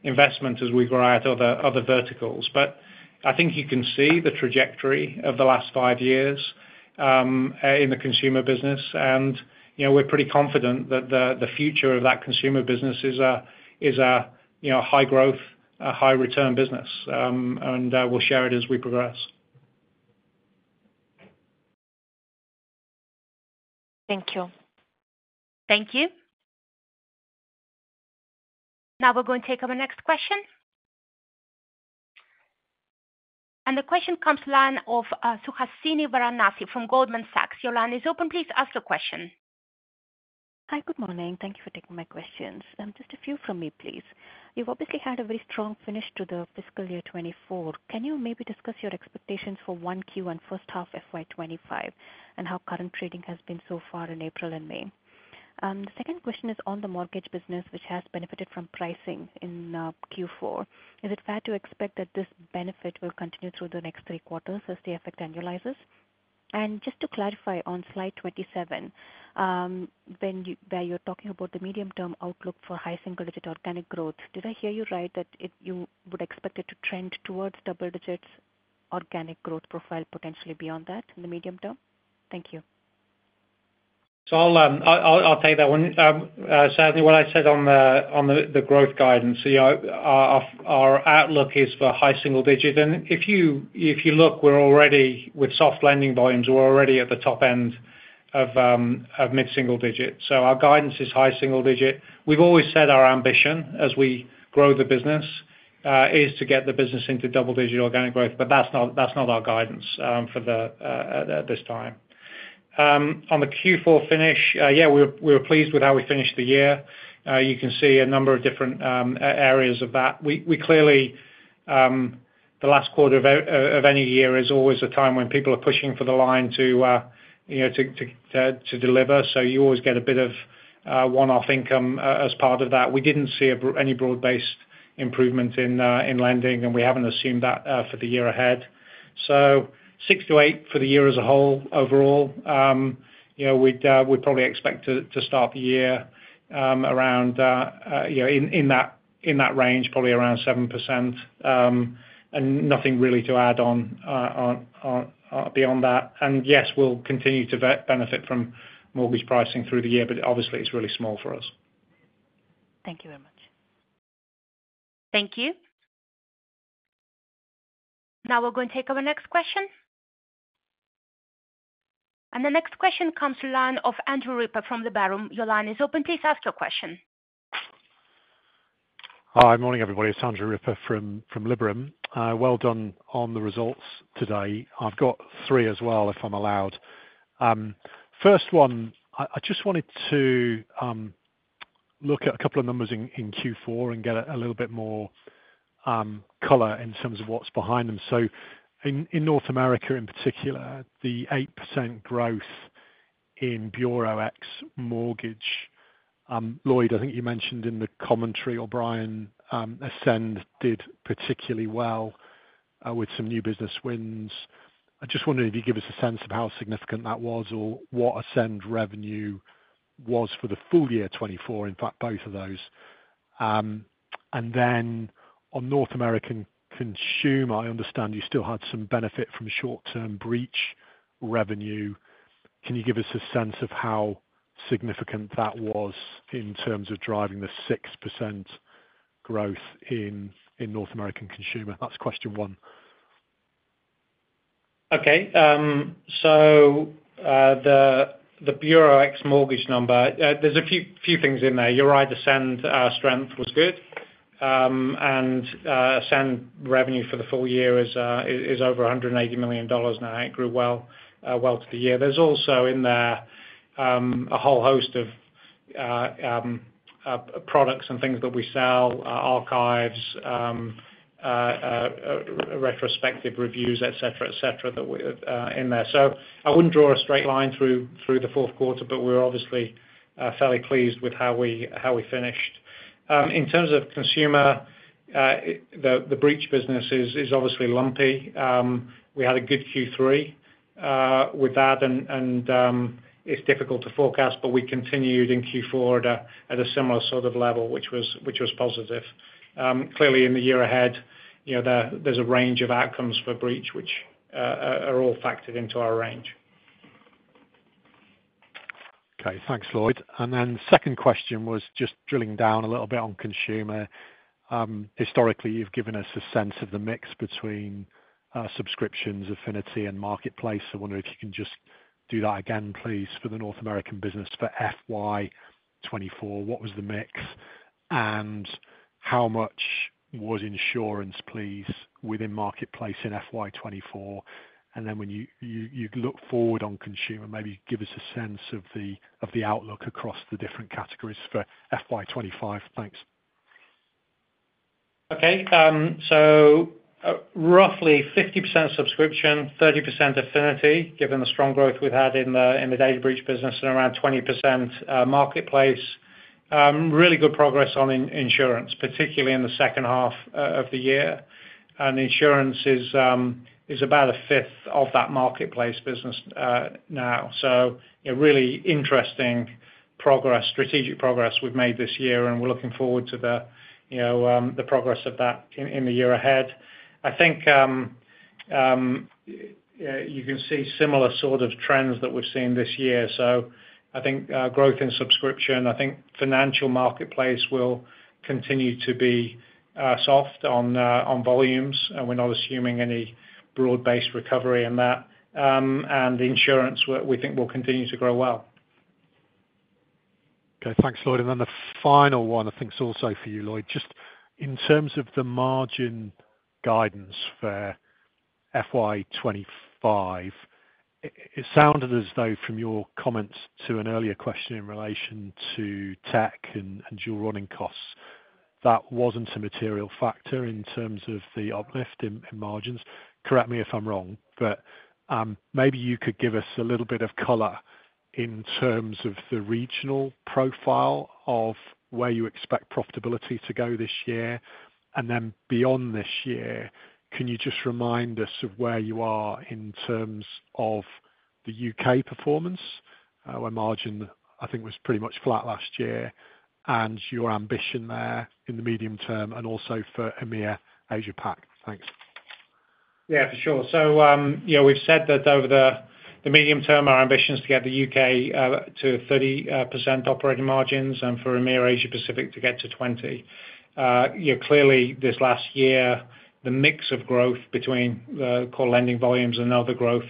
investment as we grow out other verticals. But I think you can see the trajectory of the last five years in the consumer business, and we're pretty confident that the future of that consumer business is a high-growth, high-return business, and we'll share it as we progress. Thank you. Thank you. Now we're going to take over next question. And the question comes to the line of Suhasini Varanasi from Goldman Sachs. Your line is open. Please ask your question. Hi. Good morning. Thank you for taking my questions. Just a few from me, please. You've obviously had a very strong finish to the fiscal year 2024. Can you maybe discuss your expectations for 1Q and first half FY 2025 and how current trading has been so far in April and May? The second question is on the mortgage business, which has benefited from pricing in Q4. Is it fair to expect that this benefit will continue through the next three quarters as the effect annualizes? And just to clarify, on slide 27, where you're talking about the medium-term outlook for high single-digit organic growth, did I hear you right that you would expect it to trend towards double-digit organic growth profile potentially beyond that in the medium term? Thank you. So I'll take that one. Sadly, what I said on the growth guidance, our outlook is for high single-digit. And if you look, we're already with soft lending volumes. We're already at the top end of mid-single-digit. So our guidance is high single-digit. We've always said our ambition as we grow the business is to get the business into double-digit organic growth, but that's not our guidance at this time. On the Q4 finish, yeah, we were pleased with how we finished the year. You can see a number of different areas of that. Clearly, the last quarter of any year is always a time when people are pushing for the line to deliver, so you always get a bit of one-off income as part of that. We didn't see any broad-based improvement in lending, and we haven't assumed that for the year ahead. 6%-8% for the year as a whole, overall, we'd probably expect to start the year around in that range, probably around 7%, and nothing really to add on beyond that. Yes, we'll continue to benefit from mortgage pricing through the year, but obviously, it's really small for us. Thank you very much. Thank you. Now we're going to take over next question. The next question comes to the line of Andrew Ripper from Liberum. Your line is open. Please ask your question. Hi. Morning, everybody. It's Andrew Ripper from Liberum. Well done on the results today. I've got three as well, if I'm allowed. First one, I just wanted to look at a couple of numbers in Q4 and get a little bit more color in terms of what's behind them. So in North America, in particular, the 8% growth in Bureau ex Mortgage, Lloyd, I think you mentioned in the commentary, or Ascend did particularly well with some new business wins. I just wondered if you'd give us a sense of how significant that was or what Ascend revenue was for the full year 2024, in fact, both of those. And then on North American consumer, I understand you still had some benefit from short-term breach revenue. Can you give us a sense of how significant that was in terms of driving the 6% growth in North American consumer? That's question one. Okay. So the Bureau ex Mortgage number, there's a few things in there. You're right. Ascend strength was good, and Ascend revenue for the full year is over $180 million now. It grew well through the year. There's also in there a whole host of products and things that we sell, archives, retrospective reviews, etc., etc., that were in there. So I wouldn't draw a straight line through the fourth quarter, but we were obviously fairly pleased with how we finished. In terms of consumer, the breach business is obviously lumpy. We had a good Q3 with that, and it's difficult to forecast, but we continued in Q4 at a similar sort of level, which was positive. Clearly, in the year ahead, there's a range of outcomes for breach, which are all factored into our range. Okay. Thanks, Lloyd. Then second question was just drilling down a little bit on consumer. Historically, you've given us a sense of the mix between subscriptions, Affinity, and Marketplace. I wonder if you can just do that again, please, for the North American business for FY24. What was the mix, and how much was insurance, please, within Marketplace in FY24? And then when you look forward on consumer, maybe give us a sense of the outlook across the different categories for FY25. Thanks. Okay. So roughly 50% subscription, 30% Affinity, given the strong growth we've had in the data breach business, and around 20% Marketplace. Really good progress on insurance, particularly in the second half of the year. And insurance is about a fifth of that Marketplace business now. So really interesting progress, strategic progress we've made this year, and we're looking forward to the progress of that in the year ahead. I think you can see similar sort of trends that we've seen this year. So I think growth in subscription. I think Financial Marketplace will continue to be soft on volumes, and we're not assuming any broad-based recovery in that. And insurance, we think, will continue to grow well. Okay. Thanks, Lloyd. And then the final one, I think it's also for you, Lloyd. Just in terms of the margin guidance for FY25, it sounded as though, from your comments to an earlier question in relation to tech and dual-run costs, that wasn't a material factor in terms of the uplift in margins. Correct me if I'm wrong, but maybe you could give us a little bit of color in terms of the regional profile of where you expect profitability to go this year. And then beyond this year, can you just remind us of where you are in terms of the UK performance, where margin, I think, was pretty much flat last year, and your ambition there in the medium term and also for EMEA Asia Pac? Thanks. Yeah, for sure. So we've said that over the medium term, our ambition is to get the UK to 30% operating margins and for EMEA Asia Pacific to get to 20. Clearly, this last year, the mix of growth between core lending volumes and other growth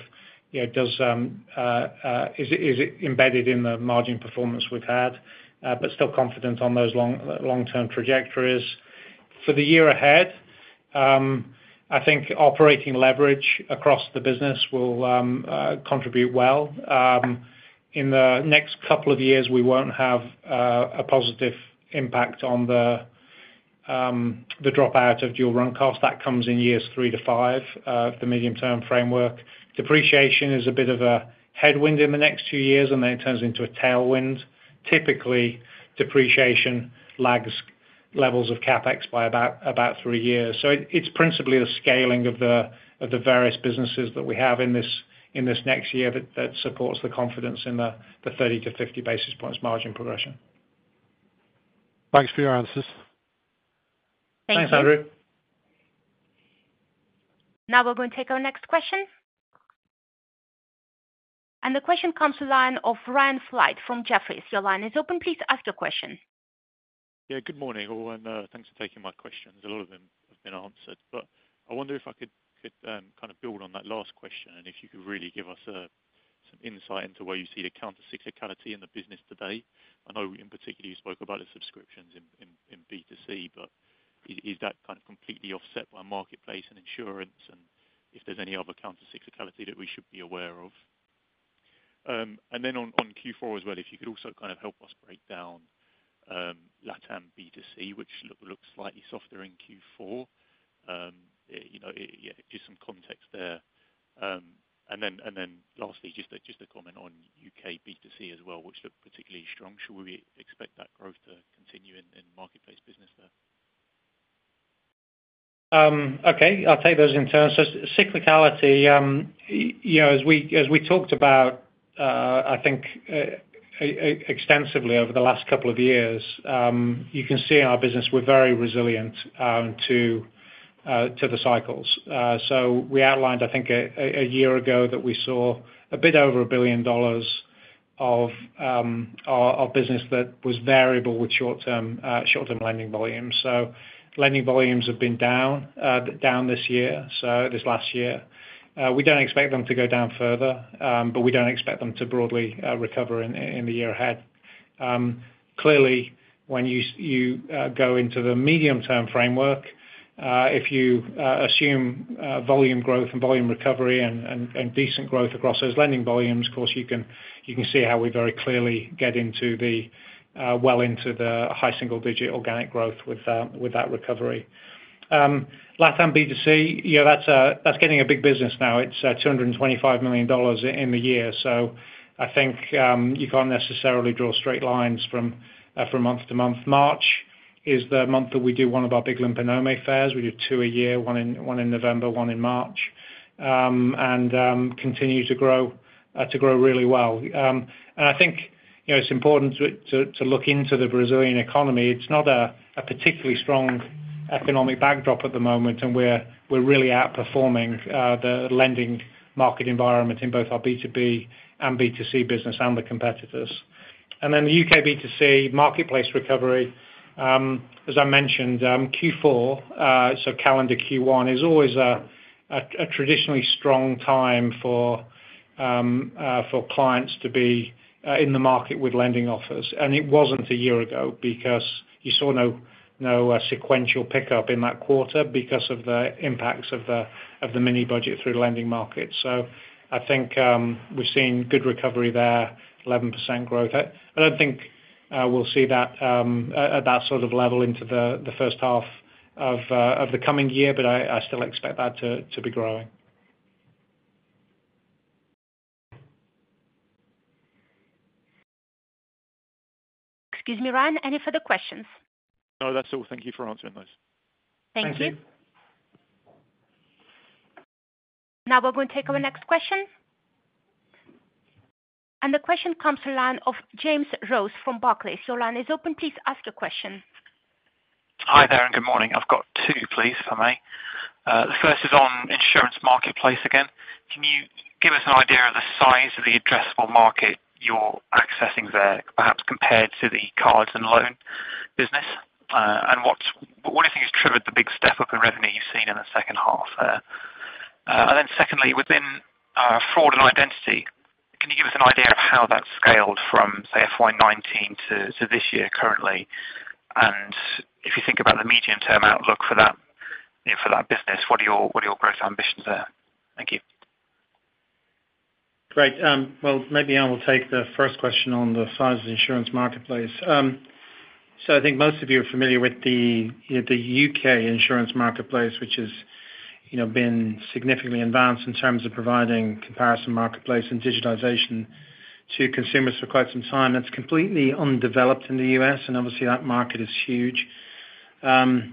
is it embedded in the margin performance we've had but still confident on those long-term trajectories? For the year ahead, I think operating leverage across the business will contribute well. In the next couple of years, we won't have a positive impact on the dropout of dual-run costs. That comes in years 3 to 5 of the medium-term framework. Depreciation is a bit of a headwind in the next 2 years, and then it turns into a tailwind. Typically, depreciation lags levels of CAPEX by about 3 years. It's principally the scaling of the various businesses that we have in this next year that supports the confidence in the 30-50 basis points margin progression. Thanks for your answers. Thanks, Andrew. Thanks, Andrew. Now we're going to take our next question. The question comes to the line of Ryan Flight from Jefferies. Your line is open. Please ask your question. Yeah. Good morning, all, and thanks for taking my questions. A lot of them have been answered, but I wonder if I could kind of build on that last question and if you could really give us some insight into where you see the counter-cyclicality in the business today. I know, in particular, you spoke about the subscriptions in B2C, but is that kind of completely offset by Marketplace and insurance and if there's any other counter-cyclicality that we should be aware of? On Q4 as well, if you could also kind of help us break down LATAM B2C, which looks slightly softer in Q4. Yeah, just some context there. Lastly, just a comment on UK B2C as well, which looked particularly strong. Should we expect that growth to continue in Marketplace business there? Okay. I'll take those in turn. So cyclicality, as we talked about, I think, extensively over the last couple of years, you can see in our business, we're very resilient to the cycles. So we outlined, I think, a year ago that we saw a bit over $1 billion of business that was variable with short-term lending volumes. So lending volumes have been down this year, so this last year. We don't expect them to go down further, but we don't expect them to broadly recover in the year ahead. Clearly, when you go into the medium-term framework, if you assume volume growth and volume recovery and decent growth across those lending volumes, of course, you can see how we very clearly get well into the high single-digit organic growth with that recovery. LATAM B2C, that's getting a big business now. It's $225 million in the year. So I think you can't necessarily draw straight lines from month to month. March is the month that we do one of our big Limpa Nome fairs. We do 2 a year, 1 in November, 1 in March, and continue to grow really well. I think it's important to look into the Brazilian economy. It's not a particularly strong economic backdrop at the moment, and we're really outperforming the lending market environment in both our B2B and B2C business and the competitors. And then the UK B2C Marketplace recovery, as I mentioned, Q4, so calendar Q1, is always a traditionally strong time for clients to be in the market with lending offers. It wasn't a year ago because you saw no sequential pickup in that quarter because of the impacts of the mini-budget through lending markets. So I think we've seen good recovery there, 11% growth. I don't think we'll see that at that sort of level into the first half of the coming year, but I still expect that to be growing. Excuse me, Ryan, any further questions? No, that's all. Thank you for answering those. Thank you. Thank you. Now we're going to take our next question. The question comes to the line of James Rose from Barclays. Your line is open. Please ask your question. Hi there, and good morning. I've got two, please, if I may. The first is on Insurance Marketplace again. Can you give us an idea of the size of the addressable market you're accessing there, perhaps compared to the cards and loan business, and what do you think has triggered the big step-up in revenue you've seen in the second half there? And then secondly, within Fraud and Identity, can you give us an idea of how that's scaled from, say, FY19 to this year currently? And if you think about the medium-term outlook for that business, what are your growth ambitions there? Thank you. Great. Well, maybe I will take the first question on the size of the insurance marketplace. So I think most of you are familiar with the U.K. insurance marketplace, which has been significantly advanced in terms of providing comparison marketplace and digitization to consumers for quite some time. It's completely undeveloped in the U.S., and obviously, that market is huge. So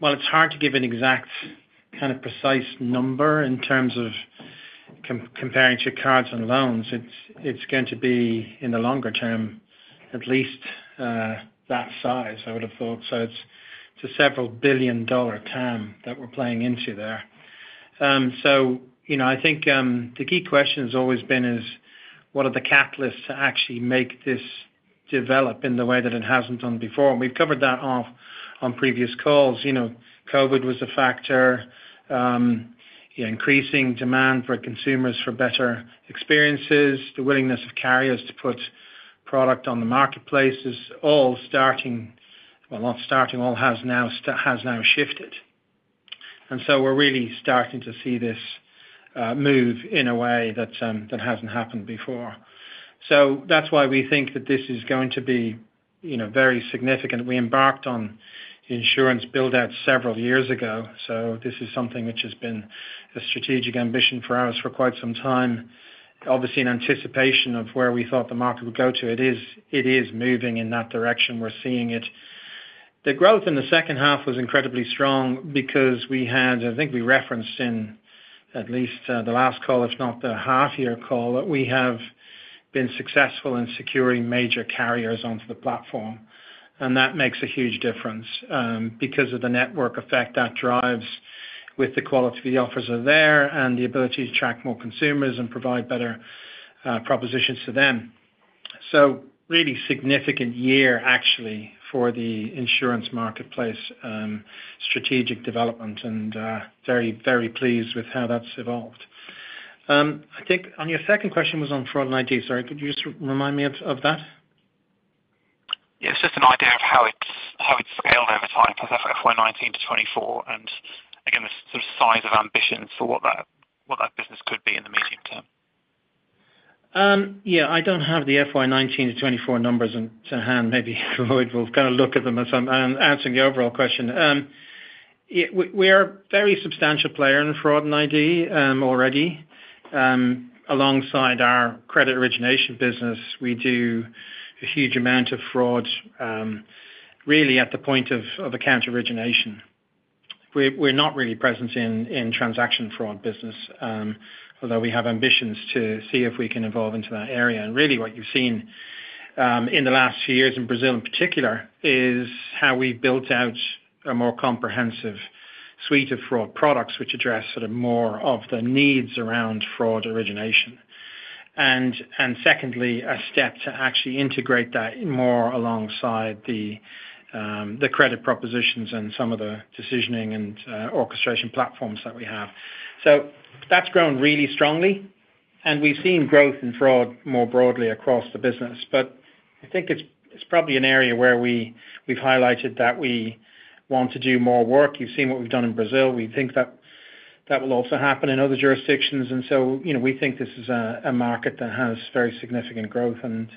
while it's hard to give an exact kind of precise number in terms of comparing to cards and loans, it's going to be, in the longer term, at least that size, I would have thought. So it's a several-billion-dollar TAM that we're playing into there. So I think the key question has always been is, what are the catalysts to actually make this develop in the way that it hasn't done before? And we've covered that off on previous calls. COVID was a factor, increasing demand for consumers for better experiences. The willingness of carriers to put product on the marketplace is all starting well, not starting. All has now shifted. And so we're really starting to see this move in a way that hasn't happened before. So that's why we think that this is going to be very significant. We embarked on insurance buildout several years ago. So this is something which has been a strategic ambition for us for quite some time. Obviously, in anticipation of where we thought the market would go to, it is moving in that direction. We're seeing it. The growth in the second half was incredibly strong because we had, I think we referenced in at least the last call, if not the half-year call, that we have been successful in securing major carriers onto the platform. That makes a huge difference because of the network effect that drives with the quality of the offers that are there and the ability to track more consumers and provide better propositions to them. So really significant year, actually, for the Insurance Marketplace strategic development, and very, very pleased with how that's evolved. I think your second question was on Fraud and ID. Sorry, could you just remind me of that? Yeah. It's just an idea of how it's scaled over time for FY19 to 2024 and, again, the sort of size of ambitions for what that business could be in the medium term. Yeah. I don't have the FY2019 to 2024 numbers at hand. Maybe Lloyd will kind of look at them as I'm answering the overall question. We are a very substantial player in fraud and ID already. Alongside our credit origination business, we do a huge amount of fraud, really at the point of account origination. We're not really present in transaction fraud business, although we have ambitions to see if we can evolve into that area. And really, what you've seen in the last few years in Brazil, in particular, is how we've built out a more comprehensive suite of fraud products which address sort of more of the needs around fraud origination and, secondly, a step to actually integrate that more alongside the credit propositions and some of the decisioning and orchestration platforms that we have. That's grown really strongly, and we've seen growth in fraud more broadly across the business. But I think it's probably an area where we've highlighted that we want to do more work. You've seen what we've done in Brazil. We think that will also happen in other jurisdictions. We think this is a market that has very significant growth, and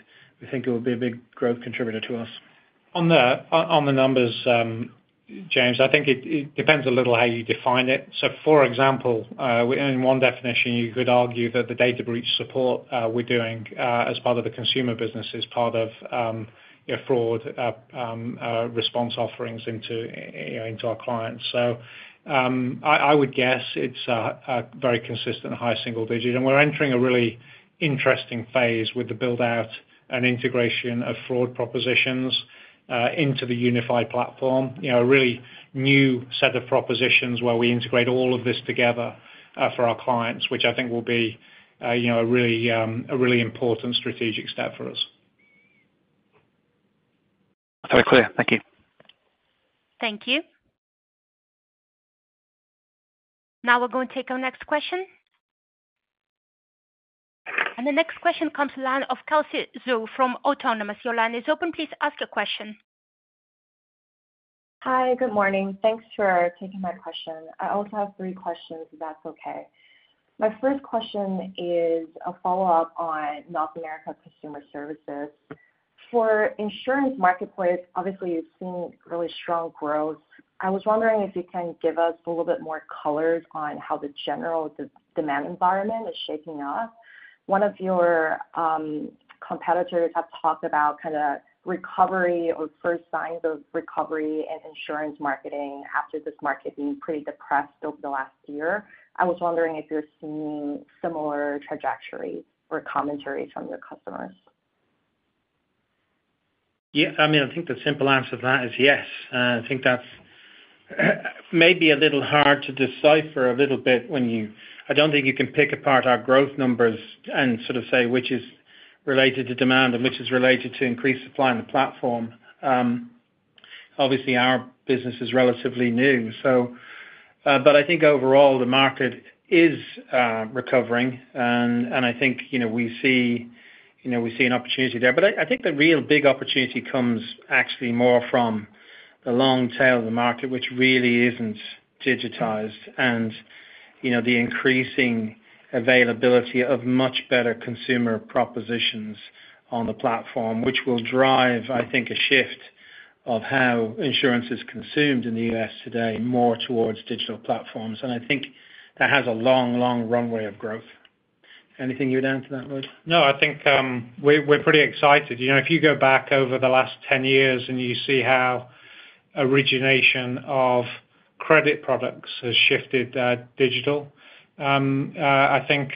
we think it will be a big growth contributor to us. On the numbers, James, I think it depends a little how you define it. So for example, in one definition, you could argue that the data breach support we're doing as part of the consumer business is part of fraud response offerings into our clients. So I would guess it's a very consistent high single-digit. And we're entering a really interesting phase with the buildout and integration of fraud propositions into the Unified Platform, a really new set of propositions where we integrate all of this together for our clients, which I think will be a really important strategic step for us. That's very clear. Thank you. Thank you. Now we're going to take our next question. The next question comes to the line of Kelsey Zhu from Autonomous. Your line is open. Please ask your question. Hi. Good morning. Thanks for taking my question. I also have three questions, if that's okay. My first question is a follow-up on North America Consumer Services. For Insurance Marketplace, obviously, you've seen really strong growth. I was wondering if you can give us a little bit more colors on how the general demand environment is shaping up. One of your competitors has talked about kind of recovery or first signs of recovery in insurance marketing after this market being pretty depressed over the last year. I was wondering if you're seeing similar trajectories or commentaries from your customers? Yeah. I mean, I think the simple answer to that is yes. I think that's maybe a little hard to decipher a little bit when you, I don't think you can pick apart our growth numbers and sort of say which is related to demand and which is related to increased supply in the platform. Obviously, our business is relatively new, so. But I think, overall, the market is recovering, and I think we see an opportunity there. But I think the real big opportunity comes actually more from the long tail of the market, which really isn't digitized, and the increasing availability of much better consumer propositions on the platform, which will drive, I think, a shift of how insurance is consumed in the U.S. today more towards digital platforms. And I think that has a long, long runway of growth. Anything you would add to that, Lloyd? No. I think we're pretty excited. If you go back over the last 10 years and you see how origination of credit products has shifted digital, I think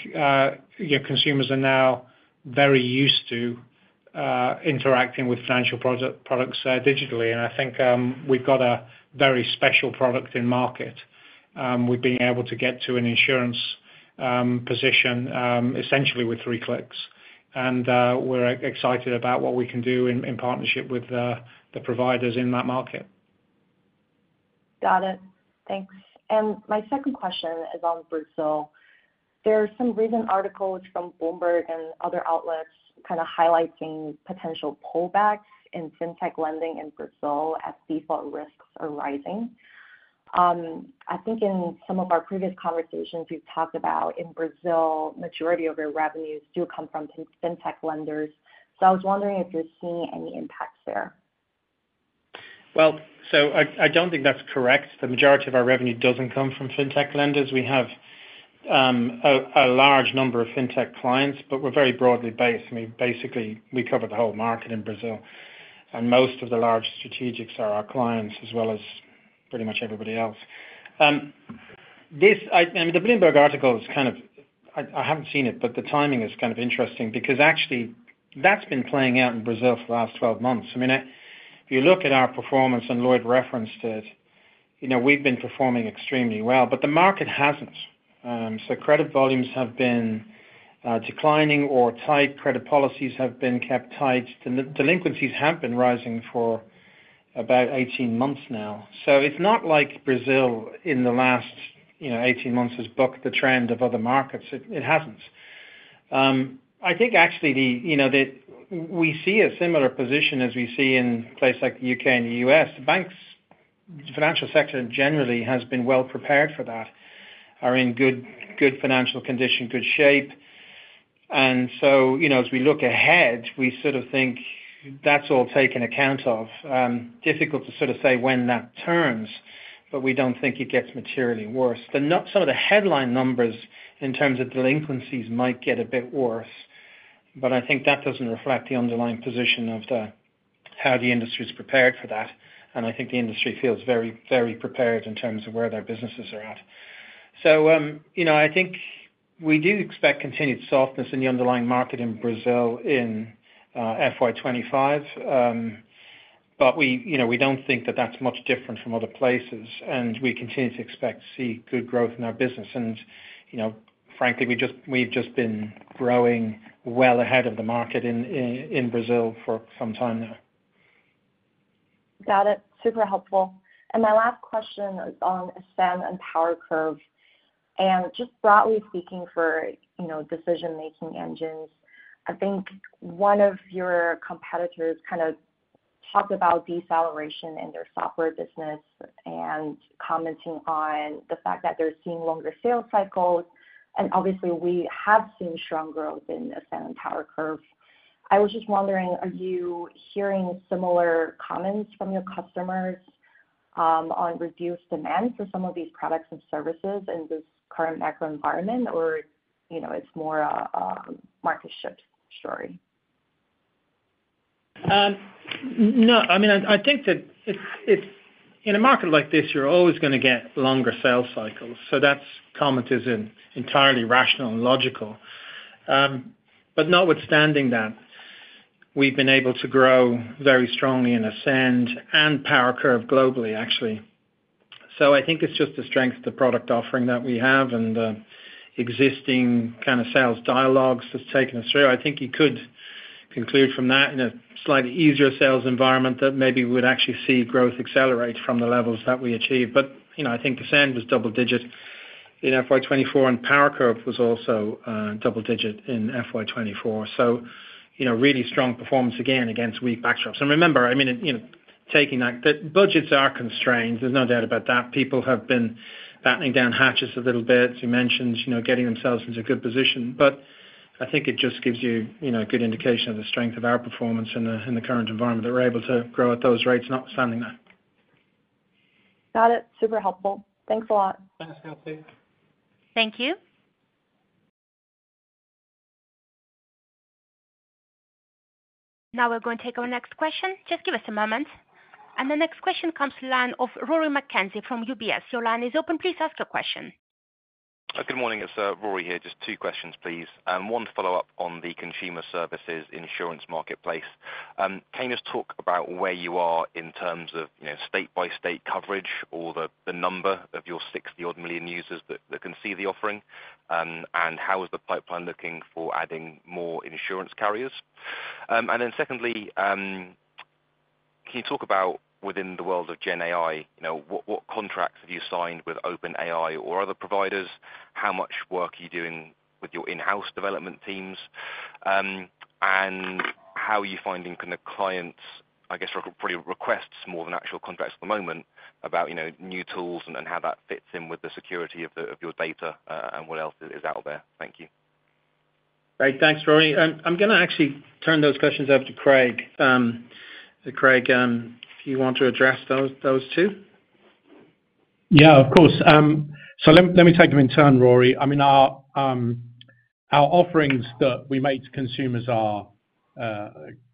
consumers are now very used to interacting with financial products digitally. I think we've got a very special product in market. We've been able to get to an insurance position essentially with 3 clicks, and we're excited about what we can do in partnership with the providers in that market. Got it. Thanks. And my second question is on Brazil. There are some recent articles from Bloomberg and other outlets kind of highlighting potential pullbacks in fintech lending in Brazil as default risks are rising. I think in some of our previous conversations, we've talked about, in Brazil, the majority of your revenues do come from fintech lenders. So I was wondering if you're seeing any impacts there. Well, so I don't think that's correct. The majority of our revenue doesn't come from fintech lenders. We have a large number of fintech clients, but we're very broadly based. I mean, basically, we cover the whole market in Brazil, and most of the large strategics are our clients as well as pretty much everybody else. I mean, the Bloomberg article is kind of, I haven't seen it, but the timing is kind of interesting because, actually, that's been playing out in Brazil for the last 12 months. I mean, if you look at our performance and Lloyd referenced it, we've been performing extremely well, but the market hasn't. So credit volumes have been declining or tight. Credit policies have been kept tight. Delinquencies have been rising for about 18 months now. So it's not like Brazil in the last 18 months has booked the trend of other markets. It hasn't. I think, actually, we see a similar position as we see in a place like the UK and the US. The financial sector, generally, has been well-prepared for that, are in good financial condition, good shape. And so as we look ahead, we sort of think that's all taken account of. Difficult to sort of say when that turns, but we don't think it gets materially worse. Some of the headline numbers in terms of delinquencies might get a bit worse, but I think that doesn't reflect the underlying position of how the industry is prepared for that. And I think the industry feels very, very prepared in terms of where their businesses are at. So I think we do expect continued softness in the underlying market in Brazil in FY25, but we don't think that that's much different from other places. We continue to expect to see good growth in our business. Frankly, we've just been growing well ahead of the market in Brazil for some time now. Got it. Super helpful. My last question is on Ascend and PowerCurve. Just broadly speaking for decision-making engines, I think one of your competitors kind of talked about deceleration in their software business and commenting on the fact that they're seeing longer sales cycles. Obviously, we have seen strong growth in Ascend and PowerCurve. I was just wondering, are you hearing similar comments from your customers on reduced demand for some of these products and services in this current macro environment, or it's more a market shift story? No. I mean, I think that in a market like this, you're always going to get longer sales cycles. So that comment is entirely rational and logical but notwithstanding that, we've been able to grow very strongly in Ascend and PowerCurve globally, actually. So I think it's just the strength of the product offering that we have and the existing kind of sales dialogues that's taken us through. I think you could conclude from that in a slightly easier sales environment that maybe we would actually see growth accelerate from the levels that we achieve. But I think the Ascend was double-digit in FY24, and PowerCurve was also double-digit in FY24. So really strong performance, again, against weak backdrops. And remember, I mean, taking that budgets are constrained. There's no doubt about that. People have been battening down hatches a little bit, as you mentioned, getting themselves into a good position. But I think it just gives you a good indication of the strength of our performance in the current environment that we're able to grow at those rates, notwithstanding that. Got it. Super helpful. Thanks a lot. Thanks, Kelsey. Thank you. Now we're going to take our next question. Just give us a moment. The next question comes to the line of Rory McKenzie from UBS. Your line is open. Please ask your question. Good morning. It's Rory here. Just two questions, please. One follow-up on the consumer services insurance marketplace. Can you just talk about where you are in terms of state-by-state coverage or the number of your 60-odd million users that can see the offering, and how is the pipeline looking for adding more insurance carriers? And then secondly, can you talk about, within the world of GenAI, what contracts have you signed with OpenAI or other providers? How much work are you doing with your in-house development teams, and how are you finding kind of clients, I guess, probably requests more than actual contracts at the moment about new tools and how that fits in with the security of your data and what else is out there? Thank you. Great. Thanks, Rory. I'm going to actually turn those questions over to Craig. Craig, if you want to address those two. Yeah. Of course. So let me take them in turn, Rory. I mean, our offerings that we make to consumers are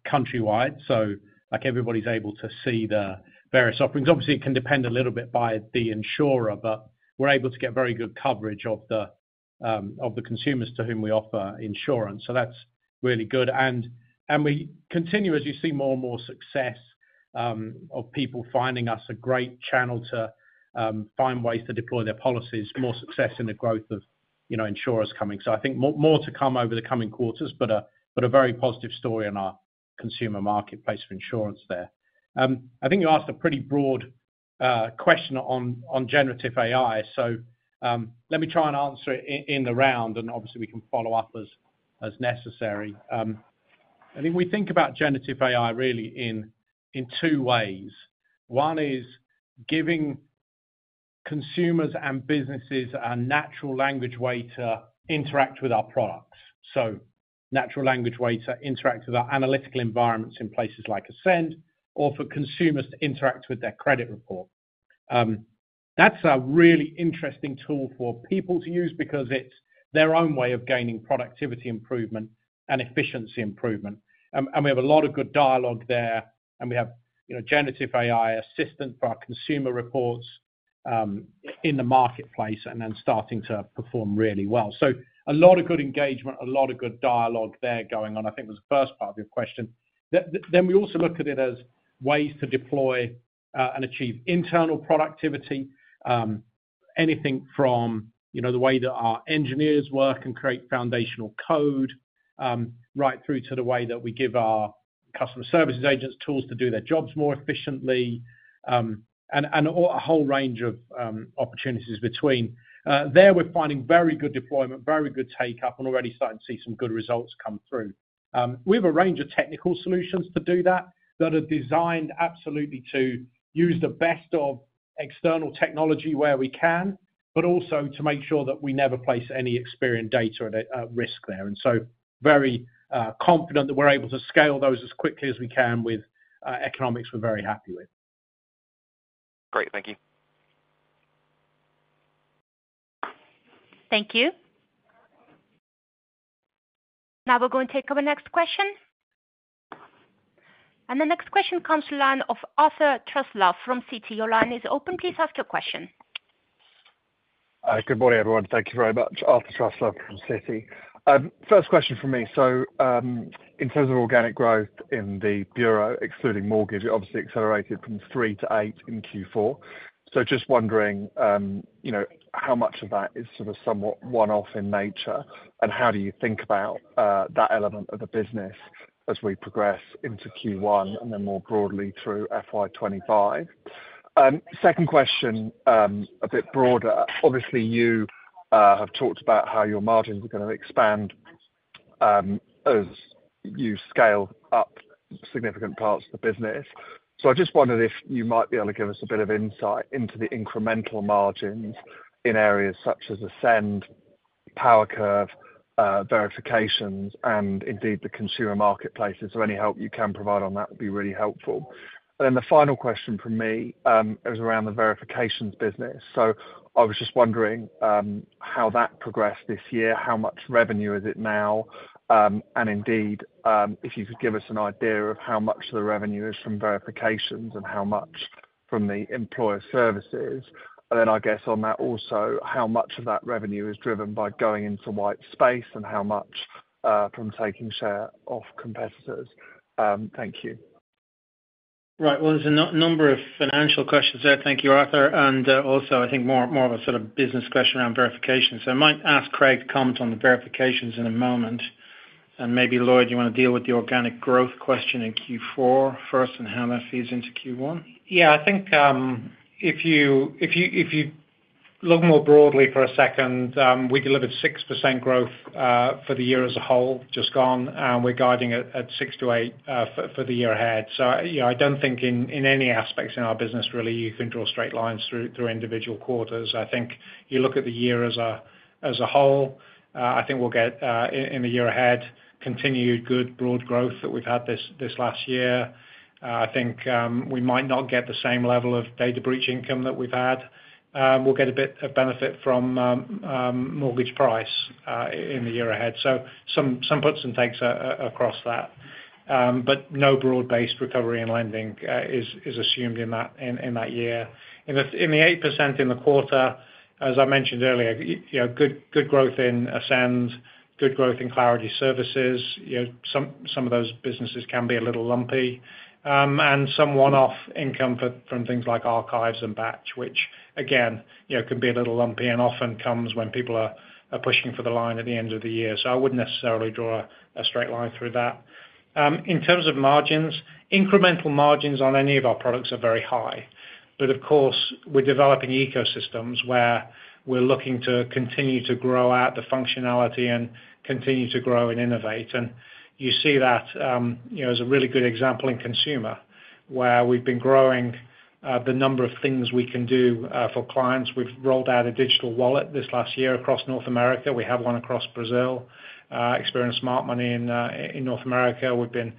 countrywide, so everybody's able to see the various offerings. Obviously, it can depend a little bit by the insurer, but we're able to get very good coverage of the consumers to whom we offer insurance. So that's really good. And we continue, as you see, more and more success of people finding us a great channel to find ways to deploy their policies, more success in the growth of insurers coming. So I think more to come over the coming quarters, but a very positive story in our consumer marketplace for insurance there. I think you asked a pretty broad question on generative AI. So let me try and answer it in the round, and obviously, we can follow up as necessary. I think we think about generative AI, really, in two ways. One is giving consumers and businesses a natural language way to interact with our products, so natural language way to interact with our analytical environments in places like Ascend or for consumers to interact with their credit report. That's a really interesting tool for people to use because it's their own way of gaining productivity improvement and efficiency improvement. We have a lot of good dialogue there. We have generative AI assistant for our consumer reports in the marketplace and then starting to perform really well. A lot of good engagement, a lot of good dialogue there going on, I think, was the first part of your question. Then we also look at it as ways to deploy and achieve internal productivity, anything from the way that our engineers work and create foundational code right through to the way that we give our customer services agents tools to do their jobs more efficiently and a whole range of opportunities between. There, we're finding very good deployment, very good take-up, and already starting to see some good results come through. We have a range of technical solutions to do that that are designed absolutely to use the best of external technology where we can but also to make sure that we never place any Experian data at risk there. And so very confident that we're able to scale those as quickly as we can with economics, we're very happy with. Great. Thank you. Thank you. Now we're going to take our next question. The next question comes to the line of Arthur Truslove from Citi. Your line is open. Please ask your question. Good morning, everyone. Thank you very much. Arthur Truslove from Citi. First question from me. So in terms of organic growth in the bureau, excluding mortgage, it obviously accelerated from 3%-8% in Q4. So just wondering how much of that is sort of somewhat one-off in nature, and how do you think about that element of the business as we progress into Q1 and then more broadly through FY25? Second question, a bit broader. Obviously, you have talked about how your margins are going to expand as you scale up significant parts of the business. So I just wondered if you might be able to give us a bit of insight into the incremental margins in areas such as Ascend, PowerCurve, Verifications, and indeed the consumer marketplaces. So any help you can provide on that would be really helpful. Then the final question from me is around the Verifications business. I was just wondering how that progressed this year, how much revenue is it now, and indeed, if you could give us an idea of how much of the revenue is from Verifications and how much from the Employer Services. I guess on that also, how much of that revenue is driven by going into white space and how much from taking share off competitors. Thank you. Right. Well, there's a number of financial questions there. Thank you, Arthur. And also, I think more of a sort of business question around verification. So I might ask Craig to comment on the Verifications in a moment. And maybe, Lloyd, you want to deal with the organic growth question in Q4 first and how that feeds into Q1? Yeah. I think if you look more broadly for a second, we delivered 6% growth for the year as a whole just gone, and we're guiding it at 6%-8% for the year ahead. So I don't think in any aspects in our business, really, you can draw straight lines through individual quarters. I think you look at the year as a whole. I think we'll get, in the year ahead, continued good broad growth that we've had this last year. I think we might not get the same level of data breach income that we've had. We'll get a bit of benefit from mortgage price in the year ahead. So some puts and takes across that. But no broad-based recovery in lending is assumed in that year. In the 8% in the quarter, as I mentioned earlier, good growth in Ascend, good growth in Clarity Services. Some of those businesses can be a little lumpy and some one-off income from things like archives and batch, which, again, can be a little lumpy and often comes when people are pushing for the line at the end of the year. So I wouldn't necessarily draw a straight line through that. In terms of margins, incremental margins on any of our products are very high. But of course, we're developing ecosystems where we're looking to continue to grow out the functionality and continue to grow and innovate. And you see that as a really good example in consumer where we've been growing the number of things we can do for clients. We've rolled out a digital wallet this last year across North America. We have one across Brazil, Experian Smart Money in North America. We've been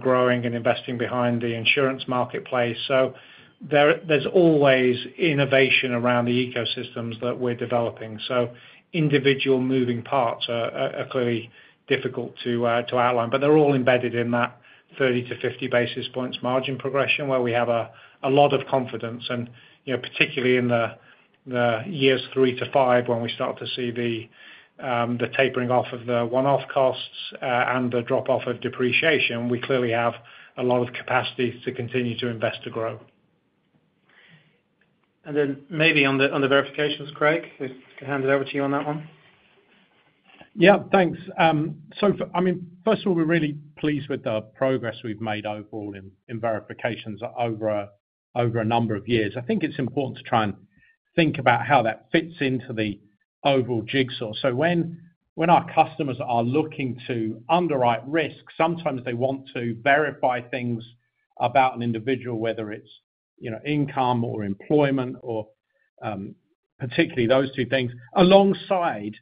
growing and investing behind the insurance marketplace. So there's always innovation around the ecosystems that we're developing. So individual moving parts are clearly difficult to outline, but they're all embedded in that 30-50 basis points margin progression where we have a lot of confidence. And particularly in the years 3-5 when we start to see the tapering off of the one-off costs and the drop-off of depreciation, we clearly have a lot of capacity to continue to invest to grow. Maybe on the Verifications, Craig, if you could hand it over to you on that one. Yeah. Thanks. So I mean, first of all, we're really pleased with the progress we've made overall in Verifications over a number of years. I think it's important to try and think about how that fits into the overall jigsaw. So when our customers are looking to underwrite risks, sometimes they want to verify things about an individual, whether it's income or employment or particularly those two things alongside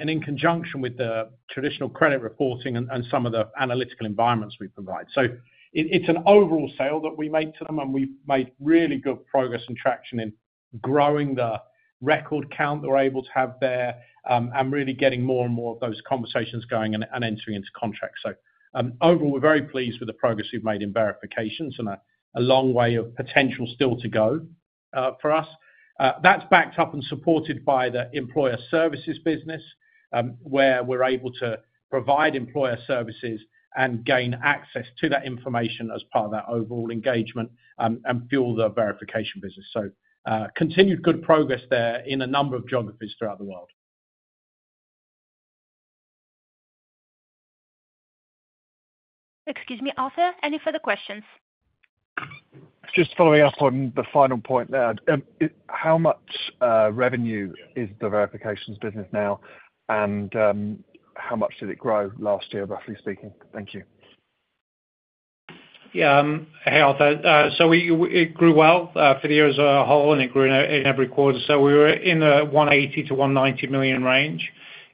and in conjunction with the traditional credit reporting and some of the analytical environments we provide. So it's an overall sale that we make to them, and we've made really good progress and traction in growing the record count that we're able to have there and really getting more and more of those conversations going and entering into contracts. Overall, we're very pleased with the progress we've made in Verifications and a long way of potential still to go for us. That's backed up and supported by the Employer Services business where we're able to provide Employer Services and gain access to that information as part of that overall engagement and fuel the Verification business. Continued good progress there in a number of geographies throughout the world. Excuse me, Arthur. Any further questions? Just following up on the final point there. How much revenue is the Verifications business now, and how much did it grow last year, roughly speaking? Thank you. Yeah. Hey, Arthur. So it grew well for the years as a whole, and it grew in every quarter. So we were in the $180 million-$190 million range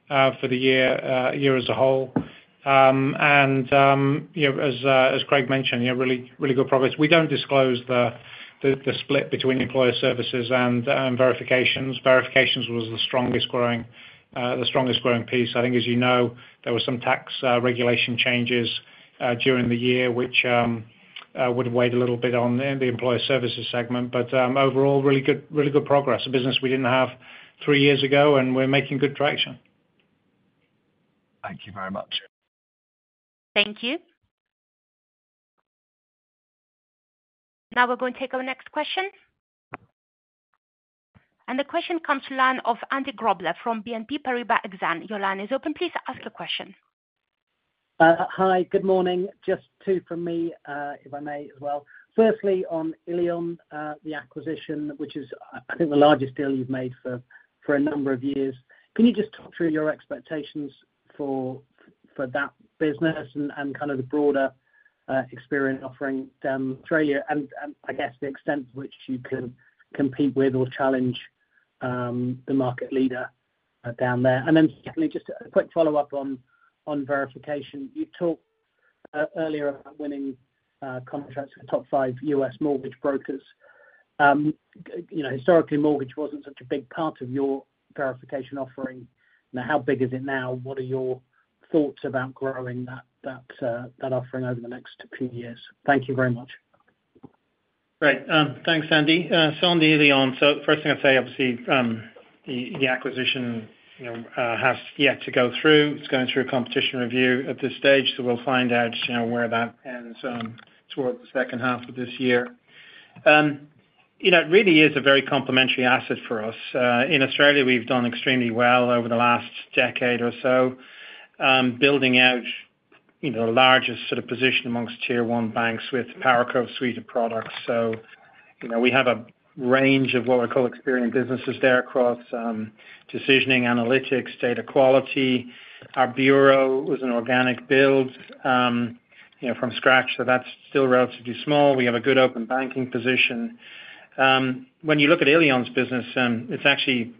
for the year as a whole. And as Craig mentioned, really good progress. We don't disclose the split between Employer Services and Verifications. Verifications was the strongest growing piece. I think, as you know, there were some tax regulation changes during the year which would weigh a little bit on the Employer Services segment. But overall, really good progress, a business we didn't have three years ago, and we're making good traction. Thank you very much. Thank you. Now we're going to take our next question. And the question comes to the line of Andy Grobler from BNP Paribas Exane. Your line is open. Please ask your question. Hi. Good morning. Just two from me, if I may, as well. Firstly, on Illion, the acquisition, which is, I think, the largest deal you've made for a number of years. Can you just talk through your expectations for that business and kind of the broader Experian offering down in Australia and, I guess, the extent to which you can compete with or challenge the market leader down there? And then secondly, just a quick follow-up on verification. You talked earlier about winning contracts with top five U.S. mortgage brokers. Historically, mortgage wasn't such a big part of your verification offering. Now, how big is it now? What are your thoughts about growing that offering over the next few years? Thank you very much. Great. Thanks, Andy. On the Illion, first thing I'd say, obviously, the acquisition has yet to go through. It's going through a competition review at this stage, so we'll find out where that ends towards the second half of this year. It really is a very complementary asset for us. In Australia, we've done extremely well over the last decade or so building out the largest sort of position amongst tier one banks with PowerCurve suite of products. So we have a range of what we call Experian businesses there across decisioning, analytics, data quality. Our bureau was an organic build from scratch, so that's still relatively small. We have a good open banking position. When you look at Illion's business, it's actually more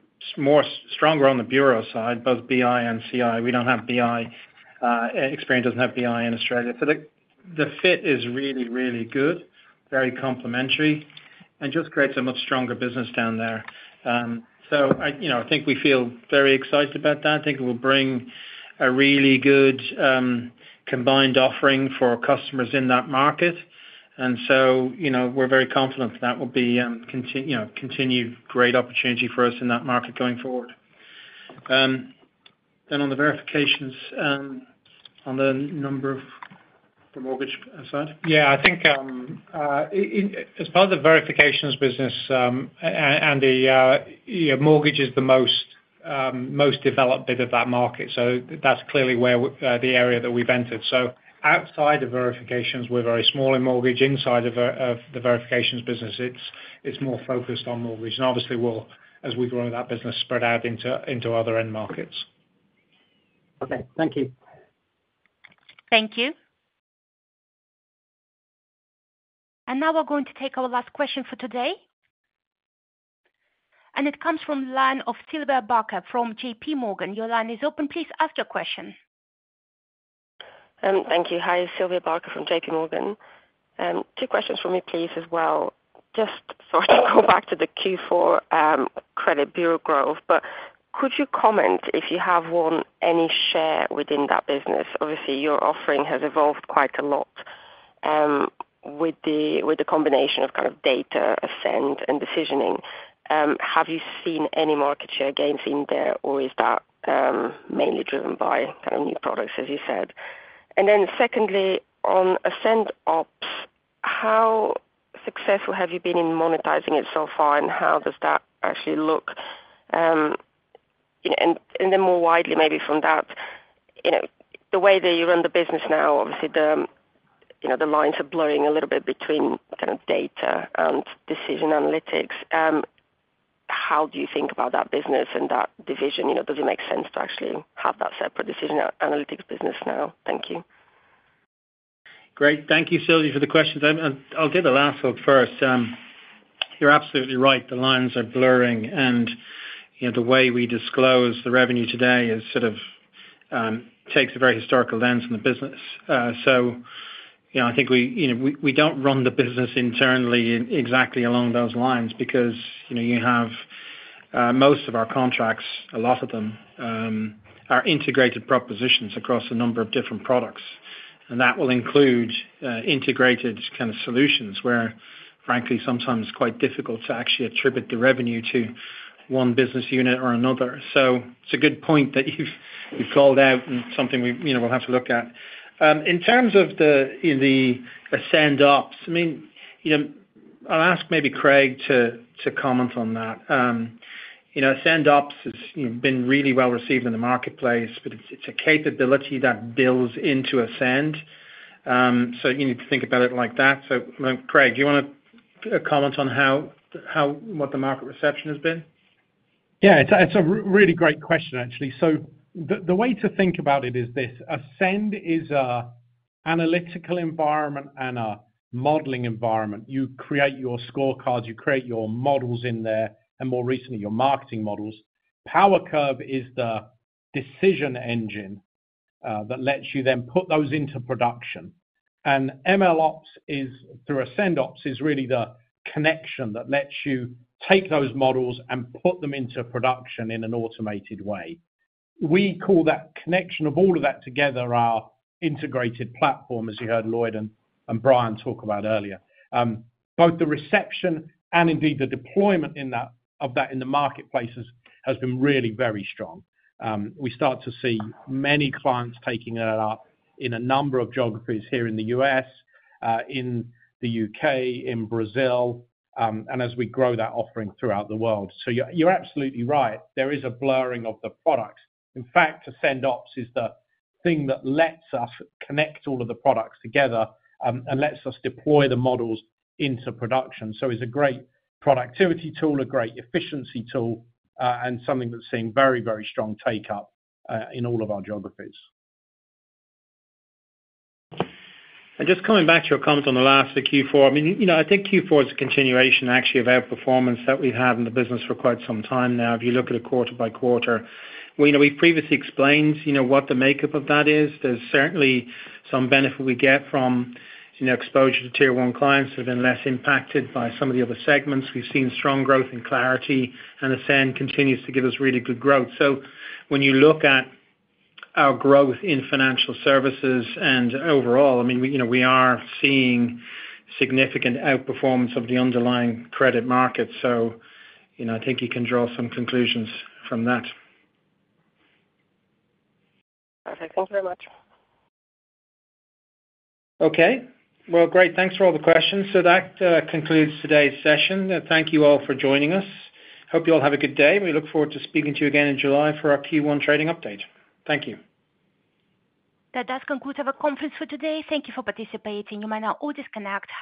stronger on the bureau side, both BI and CI. We don't have BI. Experian doesn't have BI in Australia. So the fit is really, really good, very complementary, and just creates a much stronger business down there. So I think we feel very excited about that. I think it will bring a really good combined offering for customers in that market. And so we're very confident that will be continued great opportunity for us in that market going forward. Then on the Verifications, on the number of the mortgage side? Yeah. I think as part of the Verifications business, Andy, mortgage is the most developed bit of that market. So that's clearly the area that we've entered. So outside of Verifications, we're very small in mortgage. Inside of the Verifications business, it's more focused on mortgage. And obviously, as we grow that business, spread out into other end markets. Okay. Thank you. Thank you. And now we're going to take our last question for today. And it comes from the line of Sylvia Barker from J.P. Morgan. Your line is open. Please ask your question. Thank you. Hi. Sylvia Barker from J.P. Morgan. Two questions for me, please, as well. Just sort of go back to the Q4 credit bureau growth, but could you comment if you have won any share within that business? Obviously, your offering has evolved quite a lot with the combination of kind of data, Ascend, and decisioning. Have you seen any market share gains in there, or is that mainly driven by kind of new products, as you said? And then secondly, on Ascend Ops, how successful have you been in monetizing it so far, and how does that actually look? And then more widely, maybe from that, the way that you run the business now, obviously, the lines are blurring a little bit between kind of data and decision analytics. How do you think about that business and that division? Does it make sense to actually have that separate decision analytics business now? Thank you. Great. Thank you, Sylvia, for the questions. I'll do the last one first. You're absolutely right. The lines are blurring. The way we disclose the revenue today sort of takes a very historical lens on the business. I think we don't run the business internally exactly along those lines because you have most of our contracts, a lot of them, are integrated propositions across a number of different products. That will include integrated kind of solutions where, frankly, sometimes it's quite difficult to actually attribute the revenue to one business unit or another. It's a good point that you've called out and something we'll have to look at. In terms of Ascend Ops, I mean, I'll ask maybe Craig to comment on that. Ascend Ops has been really well received in the marketplace, but it's a capability that builds into Ascend. You need to think about it like that. So Craig, do you want to comment on what the market reception has been? Yeah. It's a really great question, actually. So the way to think about it is this: Ascend is an analytical environment and a modeling environment. You create your scorecards. You create your models in there and, more recently, your marketing models. PowerCurve is the decision engine that lets you then put those into production. And MLOps through Ascend Ops is really the connection that lets you take those models and put them into production in an automated way. We call that connection of all of that together our Unified Platform, as you heard Lloyd and Brian talk about earlier. Both the reception and, indeed, the deployment of that in the marketplace has been really very strong. We start to see many clients taking that up in a number of geographies here in the U.S., in the U.K., in Brazil, and as we grow that offering throughout the world. So you're absolutely right. There is a blurring of the products. In fact, Ascend Ops is the thing that lets us connect all of the products together and lets us deploy the models into production. So it's a great productivity tool, a great efficiency tool, and something that's seeing very, very strong take-up in all of our geographies. Just coming back to your comment on the last of the Q4, I mean, I think Q4 is a continuation, actually, of our performance that we've had in the business for quite some time now. If you look at it quarter by quarter, we've previously explained what the makeup of that is. There's certainly some benefit we get from exposure to tier one clients that have been less impacted by some of the other segments. We've seen strong growth and Clarity, and Ascend continues to give us really good growth. So when you look at our growth in financial services and overall, I mean, we are seeing significant outperformance of the underlying credit market. I think you can draw some conclusions from that. Perfect. Thank you very much. Okay. Well, great. Thanks for all the questions. So that concludes today's session. Thank you all for joining us. Hope you all have a good day. We look forward to speaking to you again in July for our Q1 trading update. Thank you. That does conclude our conference for today. Thank you for participating. You may now all disconnect.